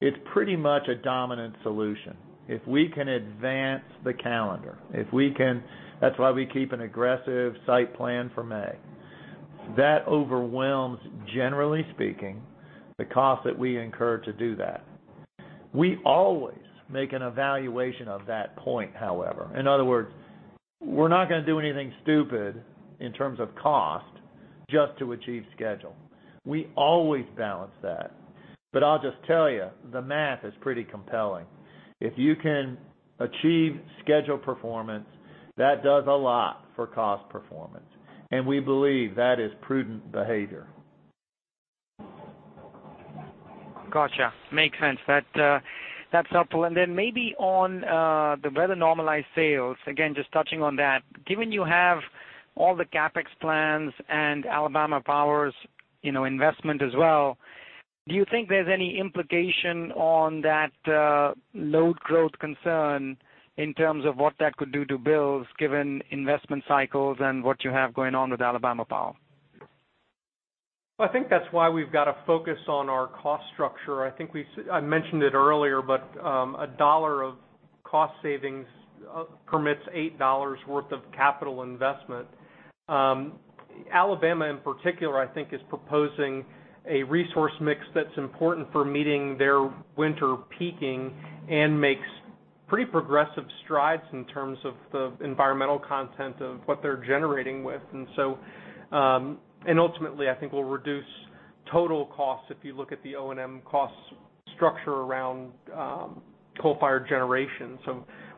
It's pretty much a dominant solution. If we can advance the calendar. That's why we keep an aggressive site plan for May. That overwhelms, generally speaking, the cost that we incur to do that. We always make an evaluation of that point, however. In other words, we're not going to do anything stupid in terms of cost just to achieve schedule. We always balance that. I'll just tell you, the math is pretty compelling. If you can achieve schedule performance, that does a lot for cost performance, and we believe that is prudent behavior. Got you. Makes sense. That's helpful. Then maybe on the weather normalized sales, again, just touching on that, given you have all the CapEx plans and Alabama Power's investment as well, do you think there's any implication on that load growth concern in terms of what that could do to bills, given investment cycles and what you have going on with Alabama Power? I think that's why we've got to focus on our cost structure. I mentioned it earlier, a $1 of cost savings permits $8 worth of capital investment. Alabama in particular, I think, is proposing a resource mix that's important for meeting their winter peaking and makes pretty progressive strides in terms of the environmental content of what they're generating with. Ultimately, I think we'll reduce total costs if you look at the O&M cost structure around coal-fired generation.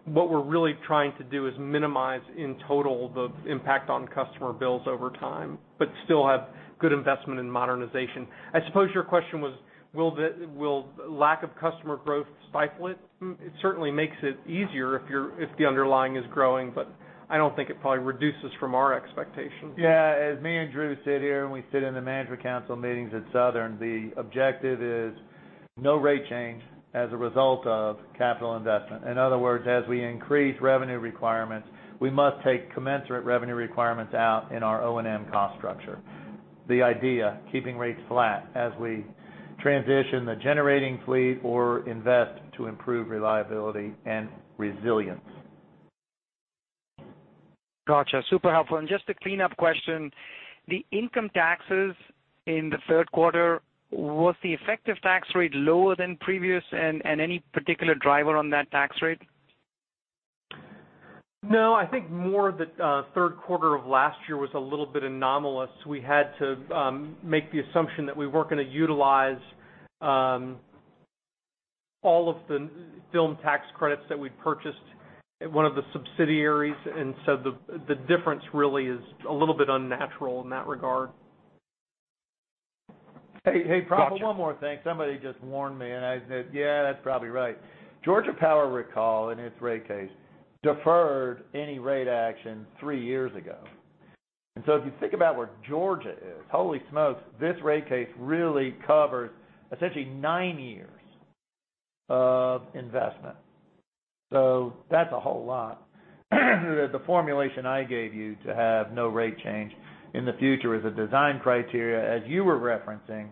What we're really trying to do is minimize in total the impact on customer bills over time, but still have good investment in modernization. I suppose your question was will lack of customer growth stifle it? It certainly makes it easier if the underlying is growing, but I don't think it probably reduces from our expectations. Yeah. As me and Drew sit here, and we sit in the management council meetings at Southern, the objective is no rate change as a result of capital investment. In other words, as we increase revenue requirements, we must take commensurate revenue requirements out in our O&M cost structure. The idea, keeping rates flat as we transition the generating fleet or invest to improve reliability and resilience. Got you. Super helpful. Just a cleanup question. The income taxes in the third quarter, was the effective tax rate lower than previous and any particular driver on that tax rate? No, I think more the third quarter of last year was a little bit anomalous. We had to make the assumption that we weren't going to utilize all of the film tax credits that we'd purchased at one of the subsidiaries. The difference really is a little bit unnatural in that regard. Hey, Praful, one more thing. Somebody just warned me, and I said, "Yeah, that's probably right." Georgia Power, recall, in its rate case, deferred any rate action three years ago. If you think about where Georgia is, holy smoke, this rate case really covers essentially nine years of investment. That's a whole lot. The formulation I gave you to have no rate change in the future is a design criteria, as you were referencing,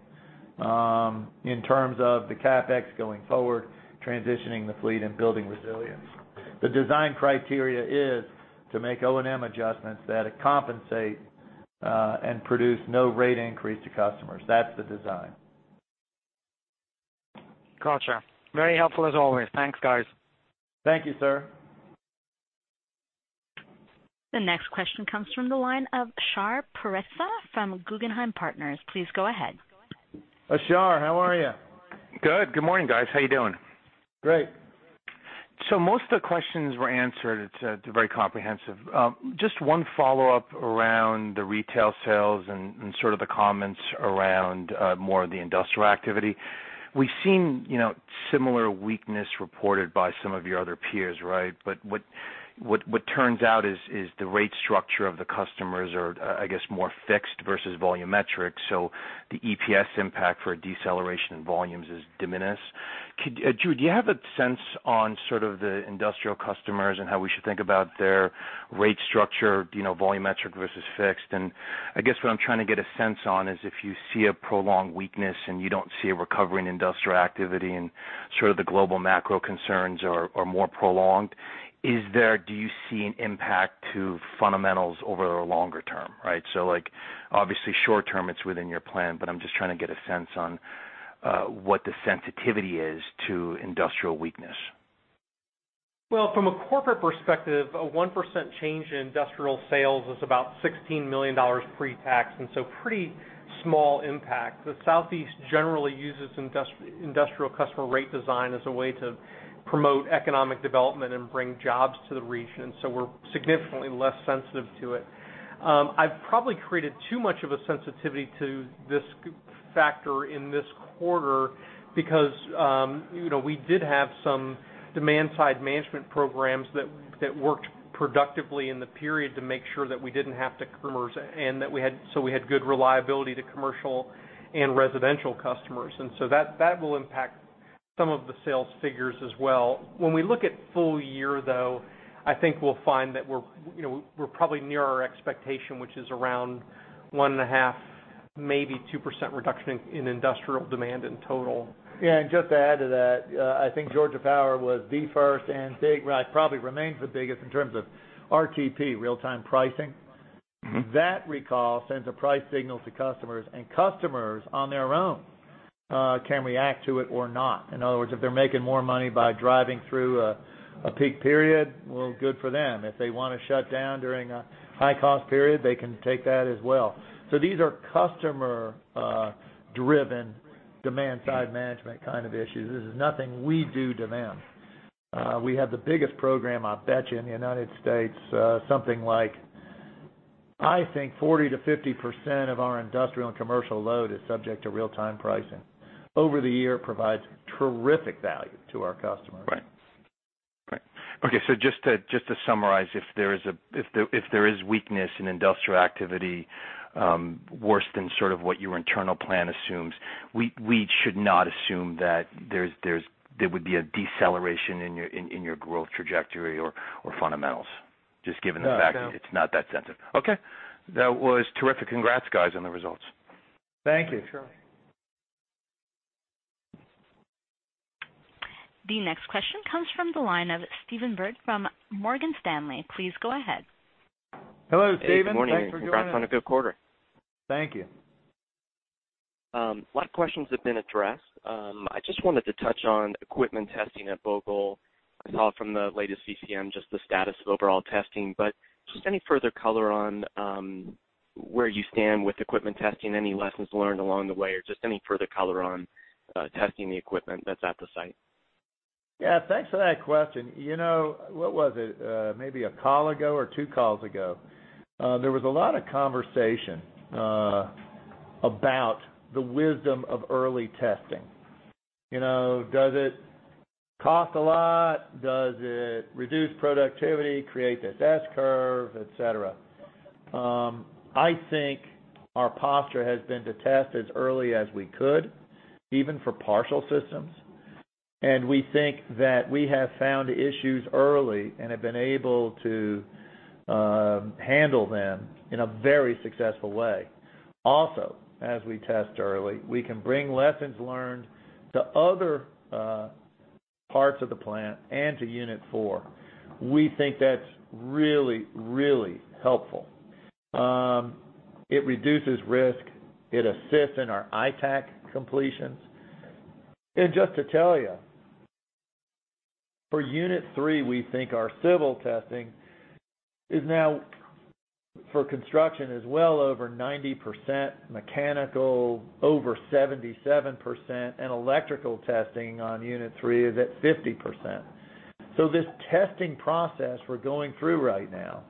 in terms of the CapEx going forward, transitioning the fleet, and building resilience. The design criteria is to make O&M adjustments that compensate, and produce no rate increase to customers. That's the design. Got you. Very helpful as always. Thanks, guys. Thank you, sir. The next question comes from the line of Shar Pourreza from Guggenheim Partners. Please go ahead. Shar, how are you? Good. Good morning, guys. How you doing? Great. Most of the questions were answered. It's very comprehensive. Just one follow-up around the retail sales and sort of the comments around more of the industrial activity. We've seen similar weakness reported by some of your other peers, right? What turns out is the rate structure of the customers are, I guess, more fixed versus volumetric, so the EPS impact for a deceleration in volumes is diminished. Drew, do you have a sense on sort of the industrial customers and how we should think about their rate structure, volumetric versus fixed? I guess what I'm trying to get a sense on is if you see a prolonged weakness and you don't see a recovery in industrial activity and sort of the global macro concerns are more prolonged, do you see an impact to fundamentals over a longer term, right? Obviously short-term, it's within your plan, but I'm just trying to get a sense on what the sensitivity is to industrial weakness. Well, from a corporate perspective, a 1% change in industrial sales is about $16 million pre-tax, pretty small impact. The Southeast generally uses industrial customer rate design as a way to promote economic development and bring jobs to the region. We're significantly less sensitive to it. I've probably created too much of a sensitivity to this factor in this quarter because we did have some demand-side management programs that worked productively in the period to make sure that we didn't have to compromise, we had good reliability to commercial and residential customers. That will impact some of the sales figures as well. When we look at full year, though, I think we'll find that we're probably near our expectation, which is around 1.5 Maybe 2% reduction in industrial demand in total. Yeah, just to add to that, I think Georgia Power was the first and probably remains the biggest in terms of RTP, real-time pricing. That recall sends a price signal to customers, and customers on their own can react to it or not. In other words, if they're making more money by driving through a peak period, well, good for them. If they want to shut down during a high-cost period, they can take that as well. These are customer-driven demand-side management kind of issues. This is nothing we do to them. We have the biggest program, I'll bet you, in the U.S. Something like, I think, 40% to 50% of our industrial and commercial load is subject to real-time pricing. Over the year, it provides terrific value to our customers. Right. Okay. Just to summarize, if there is weakness in industrial activity worse than sort of what your internal plan assumes, we should not assume that there would be a deceleration in your growth trajectory or fundamentals, just given the fact- No It's not that sensitive. Okay. That was terrific. Congrats, guys, on the results. Thank you. Sure. The next question comes from the line of Stephen Byrd from Morgan Stanley. Please go ahead. Hello, Stephen. Hey, good morning. Thanks for joining us. Congrats on a good quarter. Thank you. A lot of questions have been addressed. I just wanted to touch on equipment testing at Vogtle. I saw it from the latest VCM, just the status of overall testing. Just any further color on where you stand with equipment testing, any lessons learned along the way, or just any further color on testing the equipment that's at the site? Thanks for that question. What was it? Maybe a call ago or two calls ago, there was a lot of conversation about the wisdom of early testing. Does it cost a lot? Does it reduce productivity, create this S curve, et cetera? I think our posture has been to test as early as we could, even for partial systems. We think that we have found issues early and have been able to handle them in a very successful way. Also, as we test early, we can bring lessons learned to other parts of the plant and to unit 4. We think that's really, really helpful. It reduces risk. It assists in our ITAAC completions. Just to tell you, for unit 3, we think our civil testing is now, for construction, is well over 90%, mechanical over 77%, and electrical testing on unit 3 is at 50%. This testing process we're going through right now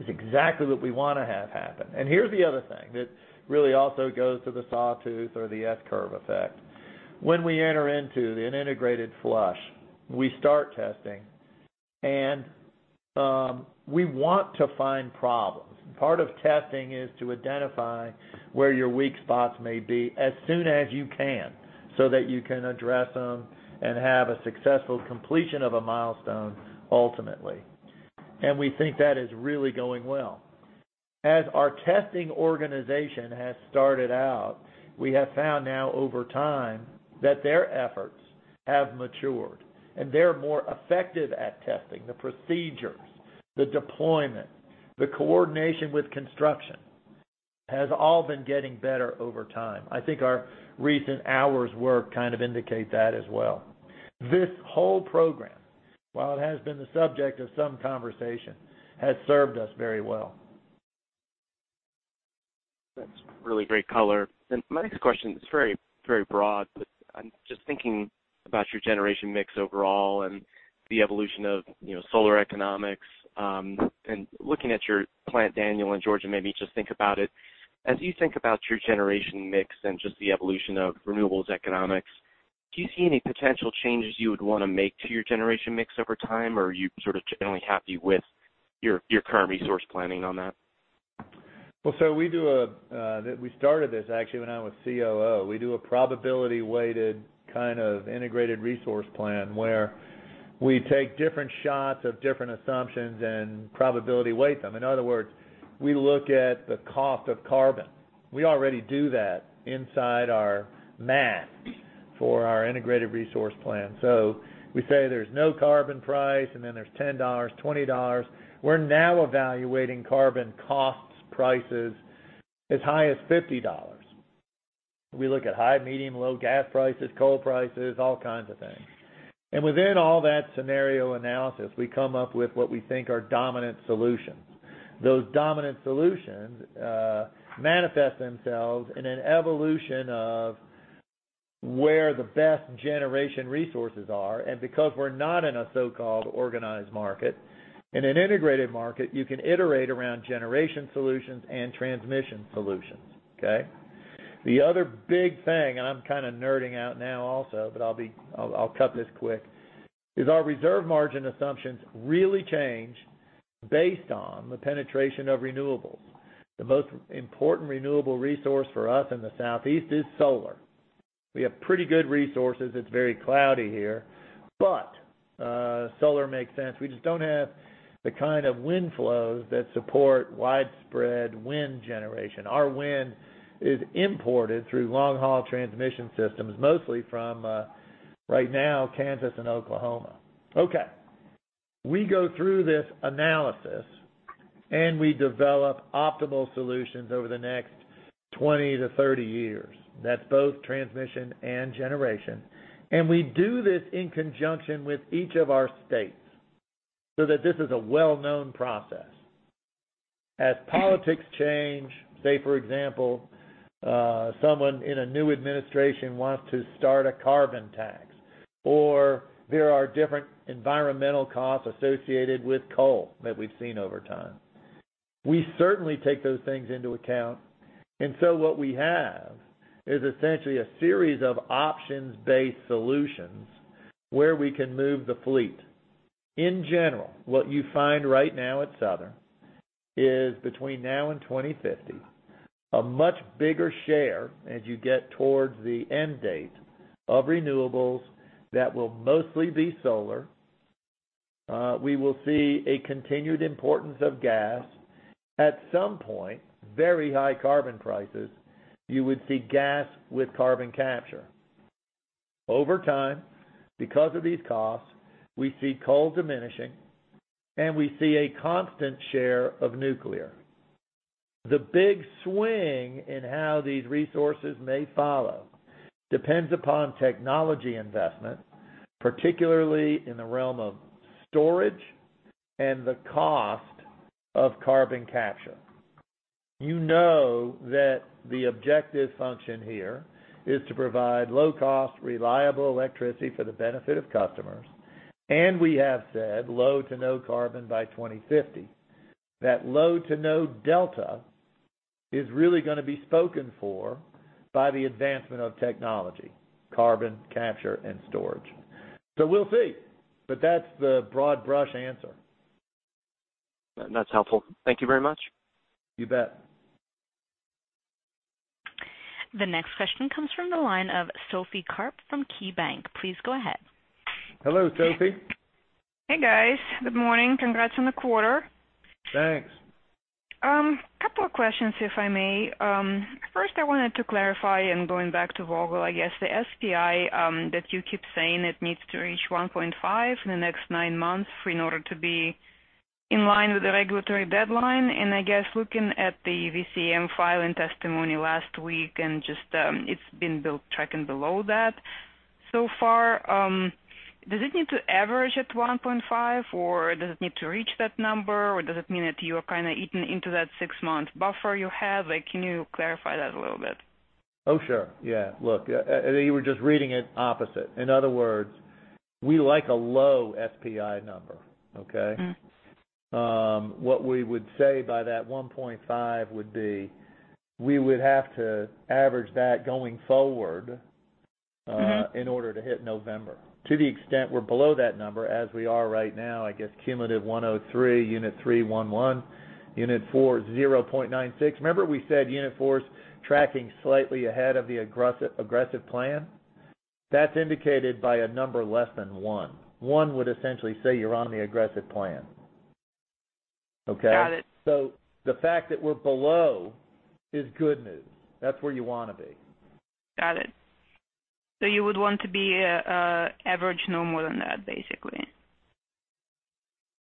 is exactly what we want to have happen. Here's the other thing that really also goes to the sawtooth or the S curve effect. When we enter into an integrated flush, we start testing, and we want to find problems. Part of testing is to identify where your weak spots may be as soon as you can so that you can address them and have a successful completion of a milestone, ultimately. We think that is really going well. As our testing organization has started out, we have found now over time that their efforts have matured and they're more effective at testing. The procedures, the deployment, the coordination with construction has all been getting better over time. I think our recent hours work kind of indicate that as well. This whole program, while it has been the subject of some conversation, has served us very well. That's really great color. My next question is very broad, but I'm just thinking about your generation mix overall and the evolution of solar economics. Looking at your Plant Daniel in Georgia made me just think about it. As you think about your generation mix and just the evolution of renewables economics, do you see any potential changes you would want to make to your generation mix over time, or are you sort of generally happy with your current resource planning on that? We started this, actually, when I was COO. We do a probability-weighted kind of integrated resource plan where we take different shots of different assumptions and probability weight them. In other words, we look at the cost of carbon. We already do that inside our math for our integrated resource plan. We say there's no carbon price, and then there's $10, $20. We're now evaluating carbon costs prices as high as $50. We look at high, medium, low gas prices, coal prices, all kinds of things. Within all that scenario analysis, we come up with what we think are dominant solutions. Those dominant solutions manifest themselves in an evolution of where the best generation resources are. Because we're not in a so-called organized market, in an integrated market, you can iterate around generation solutions and transmission solutions, okay? The other big thing, and I'm kind of nerding out now also, but I'll cut this quick, is our reserve margin assumptions really change based on the penetration of renewables. The most important renewable resource for us in the Southeast is solar. We have pretty good resources. It's very cloudy here, but solar makes sense. We just don't have the kind of wind flows that support widespread wind generation. Our wind is imported through long-haul transmission systems, mostly from, right now, Kansas and Oklahoma. Okay. We go through this analysis, and we develop optimal solutions over the next 20-30 years. That's both transmission and generation. We do this in conjunction with each of our states so that this is a well-known process. As politics change, say, for example, someone in a new administration wants to start a carbon tax, or there are different environmental costs associated with coal that we've seen over time. We certainly take those things into account. What we have is essentially a series of options-based solutions where we can move the fleet. In general, what you find right now at Southern is between now and 2050, a much bigger share as you get towards the end date of renewables, that will mostly be solar. We will see a continued importance of gas. At some point, very high carbon prices, you would see gas with carbon capture. Over time, because of these costs, we see coal diminishing, and we see a constant share of nuclear. The big swing in how these resources may follow depends upon technology investment, particularly in the realm of storage and the cost of carbon capture. You know that the objective function here is to provide low-cost, reliable electricity for the benefit of customers. We have said low to no carbon by 2050. That low to no delta is really going to be spoken for by the advancement of technology, carbon capture and storage. We'll see. That's the broad brush answer. That's helpful. Thank you very much. You bet. The next question comes from the line of Sophie Karp from KeyBanc. Please go ahead. Hello, Sophie. Hey, guys. Good morning. Congrats on the quarter. Thanks. A couple of questions, if I may. First, I wanted to clarify, and going back to Vogtle, I guess the SPI that you keep saying it needs to reach 1.5 in the next 9 months in order to be in line with the regulatory deadline. I guess looking at the VCM filing testimony last week and just it's been built tracking below that so far. Does it need to average at 1.5 or does it need to reach that number? Or does it mean that you're kind of eaten into that 6-month buffer you have? Can you clarify that a little bit? Sure. Yeah. Look, you were just reading it opposite. In other words, we like a low SPI number. Okay? What we would say by that 1.5 would be, we would have to average that going forward- in order to hit November. To the extent we're below that number, as we are right now, I guess cumulative 103, unit 3, 111, unit 4, 0.96. Remember we said unit 4 is tracking slightly ahead of the aggressive plan? That's indicated by a number less than one. One would essentially say you're on the aggressive plan. Okay? Got it. The fact that we're below is good news. That's where you want to be. Got it. You would want to be average no more than that, basically.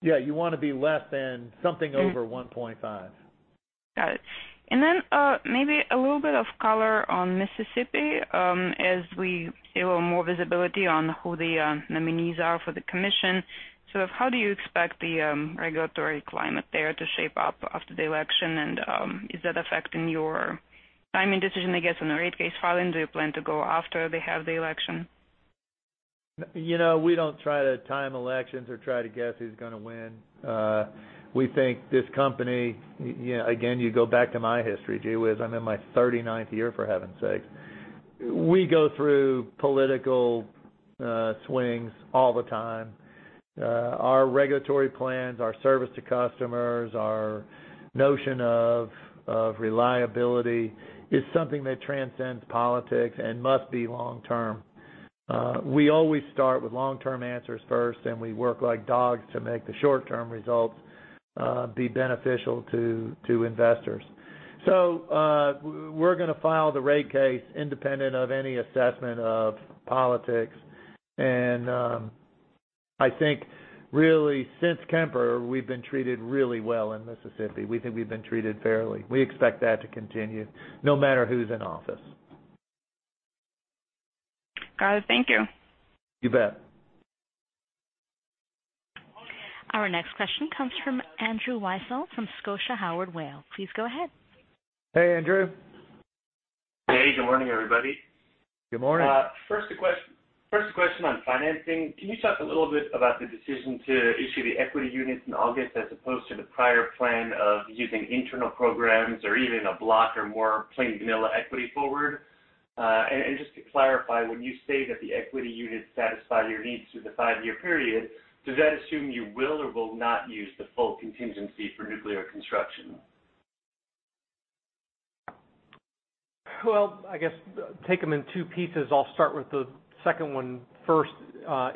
Yeah. You want to be less than something. 1.5. Got it. Maybe a little bit of color on Mississippi, as we get a little more visibility on who the nominees are for the commission, so how do you expect the regulatory climate there to shape up after the election? Is that affecting your timing decision, I guess, on the rate case filing? Do you plan to go after they have the election? We don't try to time elections or try to guess who's going to win. We think this company, again, you go back to my history, Gee Whiz, I'm in my 39th year, for heaven's sake. We go through political swings all the time. Our regulatory plans, our service to customers, our notion of reliability is something that transcends politics and must be long-term. We always start with long-term answers first. We work like dogs to make the short-term results be beneficial to investors. We're going to file the rate case independent of any assessment of politics. I think really since Kemper, we've been treated really well in Mississippi. We think we've been treated fairly. We expect that to continue no matter who's in office. Got it. Thank you. You bet. Our next question comes from Andrew Weisel from Scotiabank. Please go ahead. Hey, Andrew. Hey, good morning, everybody. Good morning. First a question on financing. Can you talk a little bit about the decision to issue the equity units in August as opposed to the prior plan of using internal programs or even a block or more plain vanilla equity forward? Just to clarify, when you say that the equity units satisfy your needs through the five-year period, does that assume you will or will not use the full contingency for nuclear construction? I guess take them in two pieces. I'll start with the second one first.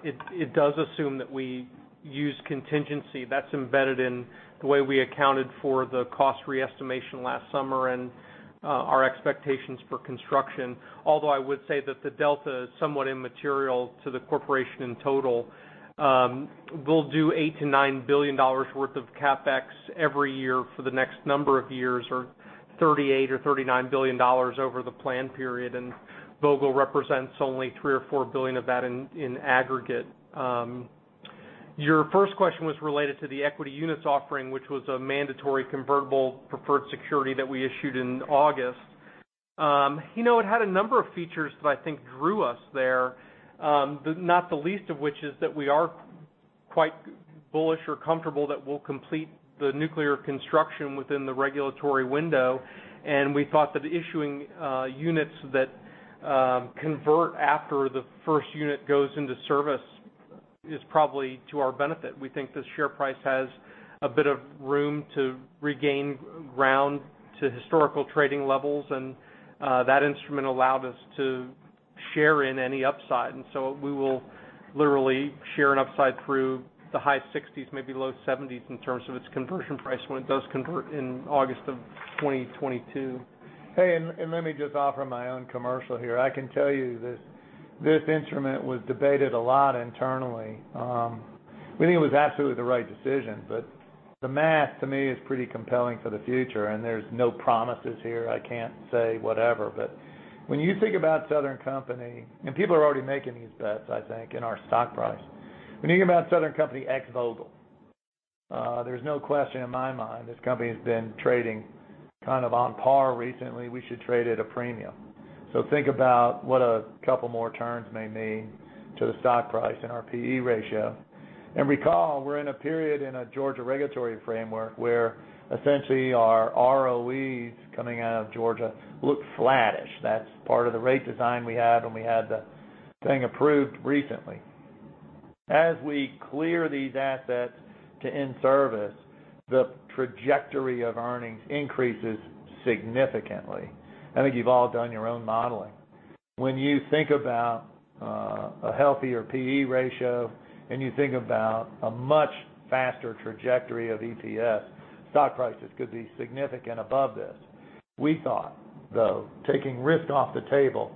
It does assume that we use contingency. That's embedded in the way we accounted for the cost re-estimation last summer and our expectations for construction. I would say that the delta is somewhat immaterial to the corporation in total. We'll do $8 billion-$9 billion worth of CapEx every year for the next number of years or $38 billion-$39 billion over the plan period, and Vogtle represents only $3 billion-$4 billion of that in aggregate. Your first question was related to the equity units offering, which was a mandatory convertible preferred security that we issued in August. It had a number of features that I think drew us there, not the least of which is that we are quite bullish or comfortable that we'll complete the nuclear construction within the regulatory window. We thought that issuing units that convert after the first unit goes into service is probably to our benefit. We think the share price has a bit of room to regain ground to historical trading levels. That instrument allowed us to share in any upside. We will literally share an upside through the high 60s, maybe low 70s in terms of its conversion price when it does convert in August of 2022. Hey, let me just offer my own commercial here. I can tell you that this instrument was debated a lot internally. We think it was absolutely the right decision. The math, to me, is pretty compelling for the future. There's no promises here. I can't say whatever. When you think about Southern Company, and people are already making these bets, I think, in our stock price. When you think about Southern Company ex Vogtle, there's no question in my mind this company has been trading kind of on par recently. We should trade at a premium. Think about what a couple more turns may mean to the stock price and our P/E ratio. Recall, we're in a period in a Georgia regulatory framework where essentially our ROEs coming out of Georgia look flattish. That's part of the rate design we had when we had the thing approved recently. As we clear these assets to in-service, the trajectory of earnings increases significantly. I think you've all done your own modeling. When you think about a healthier P/E ratio and you think about a much faster trajectory of EPS, stock prices could be significant above this. We thought, though, taking risk off the table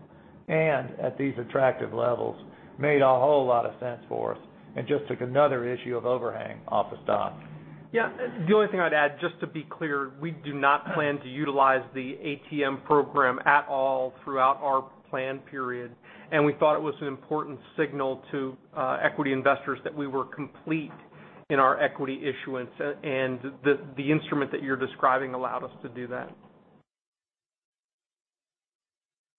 and at these attractive levels made a whole lot of sense for us and just took another issue of overhang off the stock. Yeah. The only thing I'd add, just to be clear, we do not plan to utilize the ATM program at all throughout our plan period. We thought it was an important signal to equity investors that we were complete in our equity issuance. The instrument that you're describing allowed us to do that.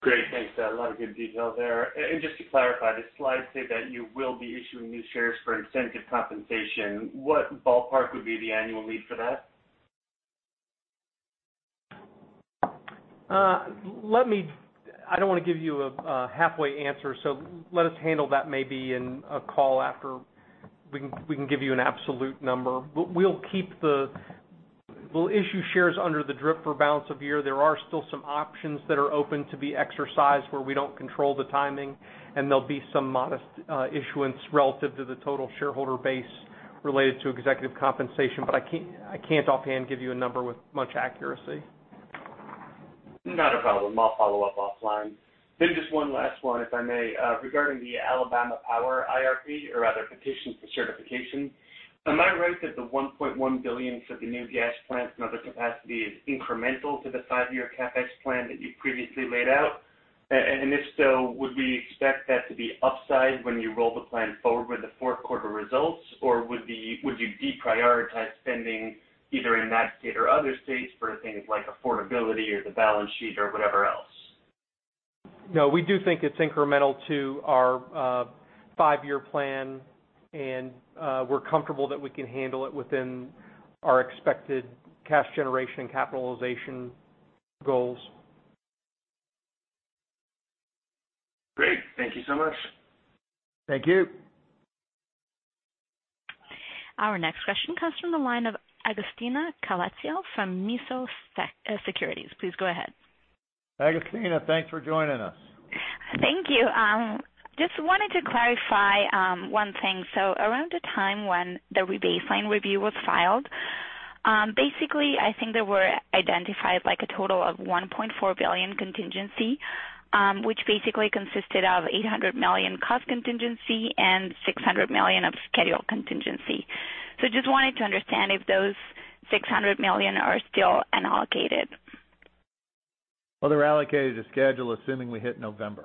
Great. Thanks. A lot of good detail there. Just to clarify, the slides say that you will be issuing new shares for incentive compensation. What ballpark would be the annual need for that? I don't want to give you a halfway answer, so let us handle that maybe in a call after we can give you an absolute number. We'll issue shares under the DRIP for balance of year. There are still some options that are open to be exercised where we don't control the timing, and there'll be some modest issuance relative to the total shareholder base related to executive compensation. I can't offhand give you a number with much accuracy. Not a problem. I'll follow up offline. Just one last one, if I may. Regarding the Alabama Power IRP or other petitions for certification, am I right that the $1.1 billion for the new gas plant and other capacity is incremental to the five-year CapEx plan that you previously laid out? If so, would we expect that to be upside when you roll the plan forward with the fourth quarter results, or would you deprioritize spending either in that state or other states for things like affordability or the balance sheet or whatever else? We do think it's incremental to our five-year plan, and we're comfortable that we can handle it within our expected cash generation and capitalization goals. Great. Thank you so much. Thank you. Our next question comes from the line of Agostina Colaizzo from Mizuho Securities. Please go ahead. Augustina, thanks for joining us. Thank you. Just wanted to clarify one thing. Around the time when the rebaseline review was filed, basically, I think there were identified like a total of $1.4 billion contingency, which basically consisted of $800 million cost contingency and $600 million of schedule contingency. Just wanted to understand if those $600 million are still unallocated. Well, they're allocated to schedule, assuming we hit November.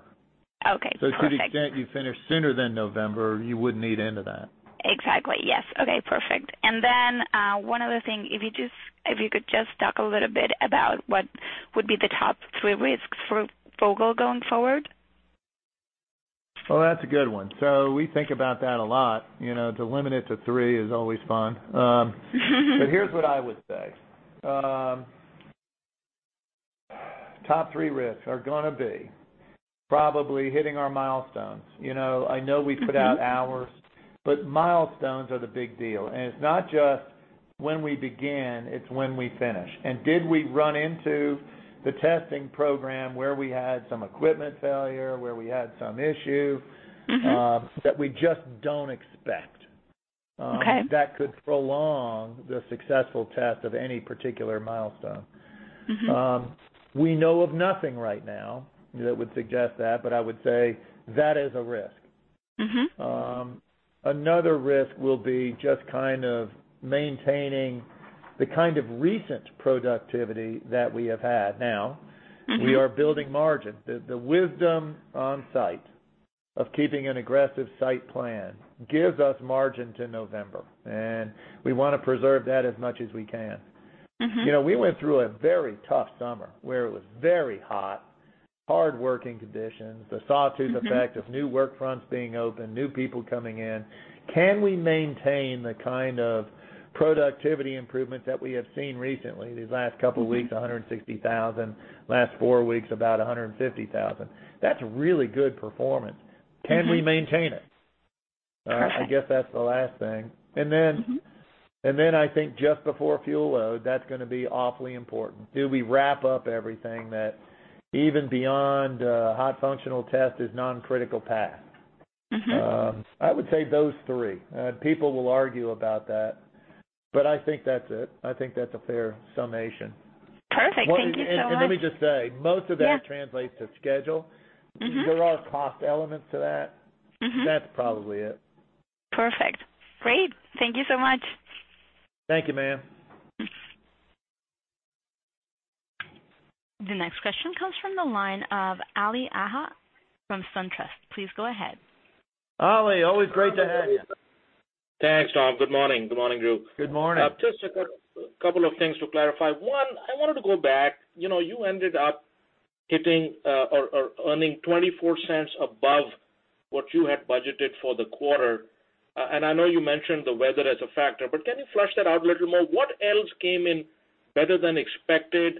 Okay. Perfect. To the extent you finish sooner than November, you wouldn't eat into that. Exactly, yes. Okay, perfect. One other thing. If you could just talk a little bit about what would be the top three risks for Vogtle going forward. That's a good one. We think about that a lot. To limit it to three is always fun. Here's what I would say. Top three risks are going to be probably hitting our milestones. I know we put out hours, but milestones are the big deal. It's not just when we begin, it's when we finish. Did we run into the testing program where we had some equipment failure, where we had some issue. that we just don't expect. Okay. That could prolong the successful test of any particular milestone. We know of nothing right now that would suggest that, but I would say that is a risk. Another risk will be just maintaining the kind of recent productivity that we have had now. We are building margin. The wisdom on site of keeping an aggressive site plan gives us margin to November. We want to preserve that as much as we can. We went through a very tough summer, where it was very hot, hard working conditions, the sawtooth effect of new work fronts being open, new people coming in. Can we maintain the kind of productivity improvements that we have seen recently, these last couple weeks, 160,000, last four weeks, about 150,000? That's really good performance. Can we maintain it? I guess that's the last thing. I think just before fuel load, that's going to be awfully important. Do we wrap up everything that even beyond hot functional test is non-critical path? I would say those three. People will argue about that, but I think that's it. I think that's a fair summation. Perfect. Thank you so much. Let me just say, most of that translates to schedule. There are cost elements to that. That's probably it. Perfect. Great. Thank you so much. Thank you, ma'am. The next question comes from the line of Ali Agha from SunTrust. Please go ahead. Ali, always great to have you. Thanks, Tom. Good morning. Good morning, Drew. Good morning. Just a couple of things to clarify. One, I wanted to go back. You ended up hitting or earning $0.24 above what you had budgeted for the quarter. I know you mentioned the weather as a factor, can you flush that out a little more? What else came in better than expected?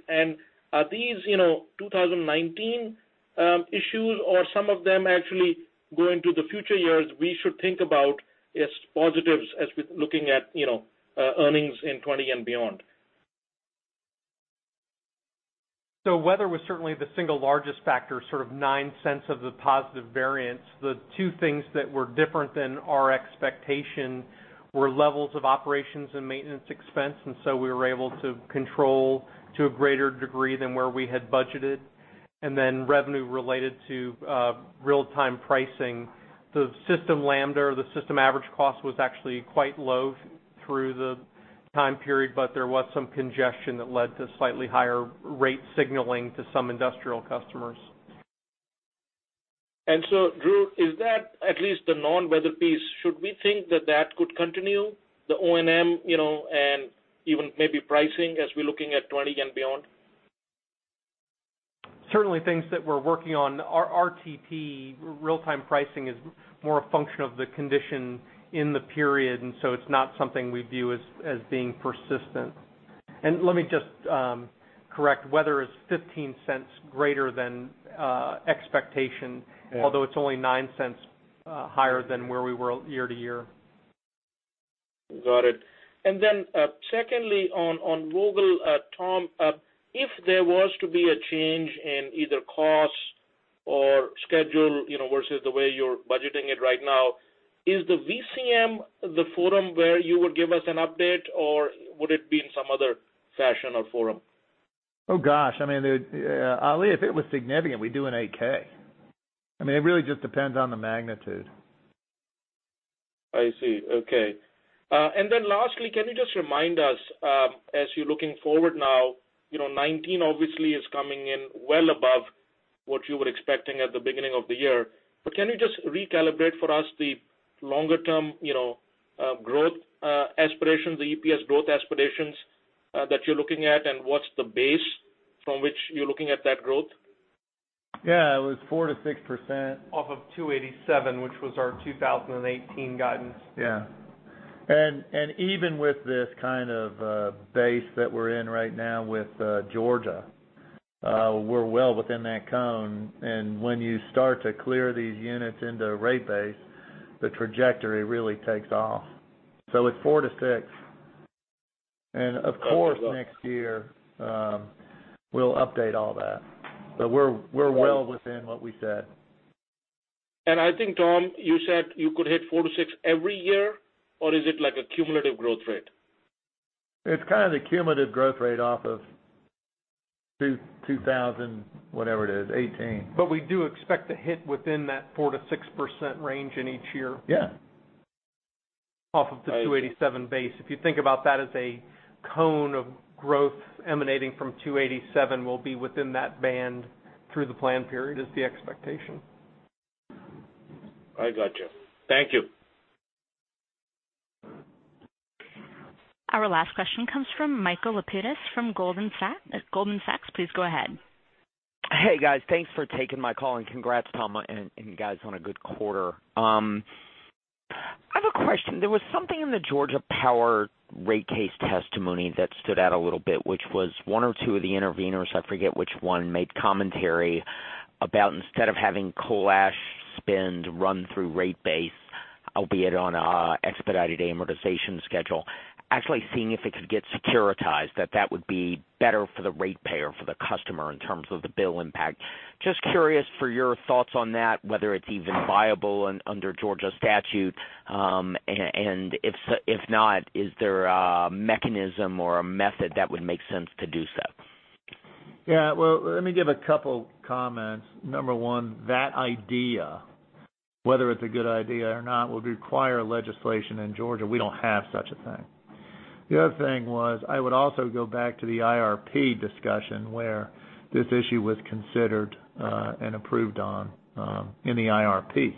Are these 2019 issues or some of them actually go into the future years, we should think about as positives as with looking at earnings in 2020 and beyond? Weather was certainly the single largest factor, sort of $0.09 of the positive variance. The two things that were different than our expectation were levels of operations and maintenance expense, we were able to control to a greater degree than where we had budgeted. Revenue related to real-time pricing. The system lambda or the system average cost was actually quite low through the time period, there was some congestion that led to slightly higher rate signaling to some industrial customers. Drew, is that at least the non-weather piece? Should we think that that could continue the O&M and even maybe pricing as we're looking at 2020 and beyond? Certainly things that we're working on. Our RTP, real-time pricing, is more a function of the condition in the period, and so it's not something we view as being persistent. Let me just correct, weather is $0.15 greater than expectation. Yeah. Although it's only $0.09 higher than where we were year to year. Got it. Secondly, on Vogtle, Tom, if there was to be a change in either cost or schedule versus the way you're budgeting it right now, is the VCM the forum where you would give us an update, or would it be in some other fashion or forum? Oh, gosh. Ali, if it was significant, we'd do an 8-K. It really just depends on the magnitude. I see. Okay. Lastly, can you just remind us, as you're looking forward now, 2019 obviously is coming in well above what you were expecting at the beginning of the year. Can you just recalibrate for us the longer-term growth aspirations, the EPS growth aspirations that you're looking at, and what's the base from which you're looking at that growth? Yeah, it was 4%-6%. Off of 287, which was our 2018 guidance. Yeah. Even with this kind of base that we're in right now with Georgia, we're well within that cone. When you start to clear these units into rate base, the trajectory really takes off. It's 4%-6%. Of course next year, we'll update all that. We're well within what we said. I think, Tom, you said you could hit 4%-6% every year, or is it like a cumulative growth rate? It's kind of the cumulative growth rate off of 2000, whatever it is, 2018. We do expect to hit within that 4%-6% range in each year. Yeah. Off of the 287 base. If you think about that as a cone of growth emanating from 287, we'll be within that band through the plan period is the expectation. I got you. Thank you. Our last question comes from Michael Lapides from Goldman Sachs. Please go ahead. Hey, guys. Thanks for taking my call. Congrats, Tom and guys, on a good quarter. I have a question. There was something in the Georgia Power rate case testimony that stood out a little bit, which was one or two of the intervenors, I forget which one, made commentary about instead of having coal ash spend run through rate base, albeit on an expedited amortization schedule, actually seeing if it could get securitized, that that would be better for the ratepayer, for the customer in terms of the bill impact. Just curious for your thoughts on that, whether it's even viable under Georgia statute, if so, if not, is there a mechanism or a method that would make sense to do so? Yeah. Well, let me give a couple comments. Number one, that idea, whether it's a good idea or not, would require legislation in Georgia. We don't have such a thing. The other thing was, I would also go back to the IRP discussion where this issue was considered and approved on in the IRP.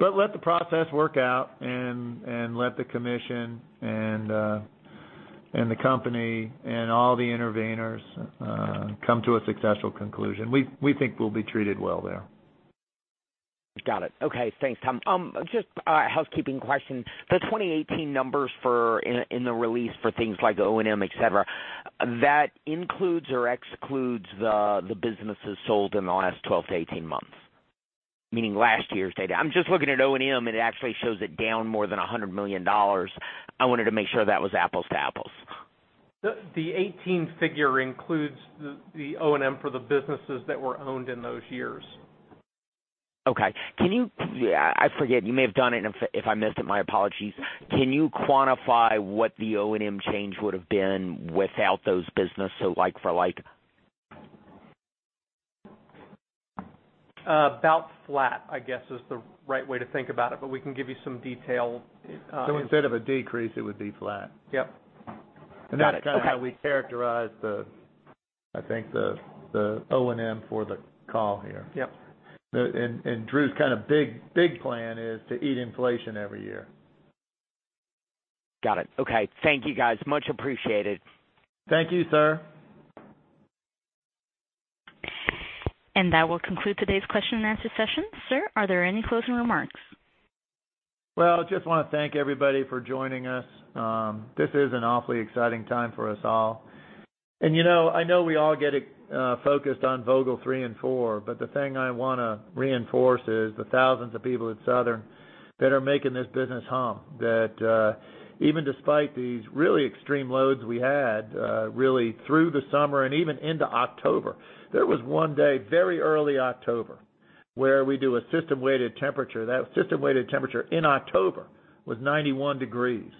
Let the process work out and let the commission and the company and all the intervenors come to a successful conclusion. We think we'll be treated well there. Got it. Okay. Thanks, Tom. Just a housekeeping question. The 2018 numbers for in the release for things like O&M, et cetera, that includes or excludes the businesses sold in the last 12 to 18 months, meaning last year's data. I'm just looking at O&M, and it actually shows it down more than $100 million. I wanted to make sure that was apples to apples. The 18 figure includes the O&M for the businesses that were owned in those years. Okay. Yeah, I forget. You may have done it. If I missed it, my apologies. Can you quantify what the O&M change would've been without those business, so like for like? About flat, I guess is the right way to think about it, but we can give you some detail. Instead of a decrease, it would be flat. Yep. Got it. Okay. That's kind of how we characterize I think the O&M for the call here. Yep. Drew's kind of big plan is to eat inflation every year. Got it. Okay. Thank you guys. Much appreciated. Thank you, sir. That will conclude today's question and answer session. Sir, are there any closing remarks? Well, just wanna thank everybody for joining us. This is an awfully exciting time for us all. You know, I know we all get focused on Vogtle 3 and 4, but the thing I wanna reinforce is the thousands of people at Southern that are making this business hum that even despite these really extreme loads we had really through the summer and even into October. There was one day, very early October, where we do a system weighted temperature. That system weighted temperature in October was 91 degrees.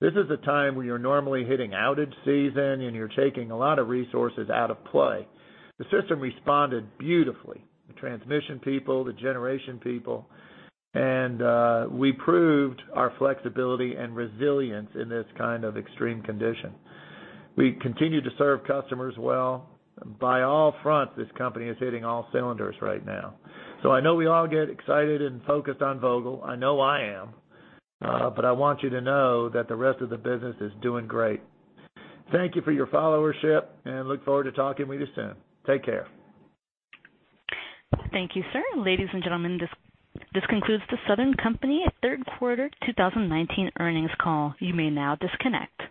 This is a time when you're normally hitting outage season, and you're taking a lot of resources out of play. The system responded beautifully. The transmission people, the generation people. We proved our flexibility and resilience in this kind of extreme condition. We continue to serve customers well. By all fronts, this company is hitting all cylinders right now. I know we all get excited and focused on Vogtle. I know I am, but I want you to know that the rest of the business is doing great. Thank you for your followership, and look forward to talking with you soon. Take care. Thank you, sir. Ladies and gentlemen, this concludes the Southern Company third quarter 2019 earnings call. You may now disconnect.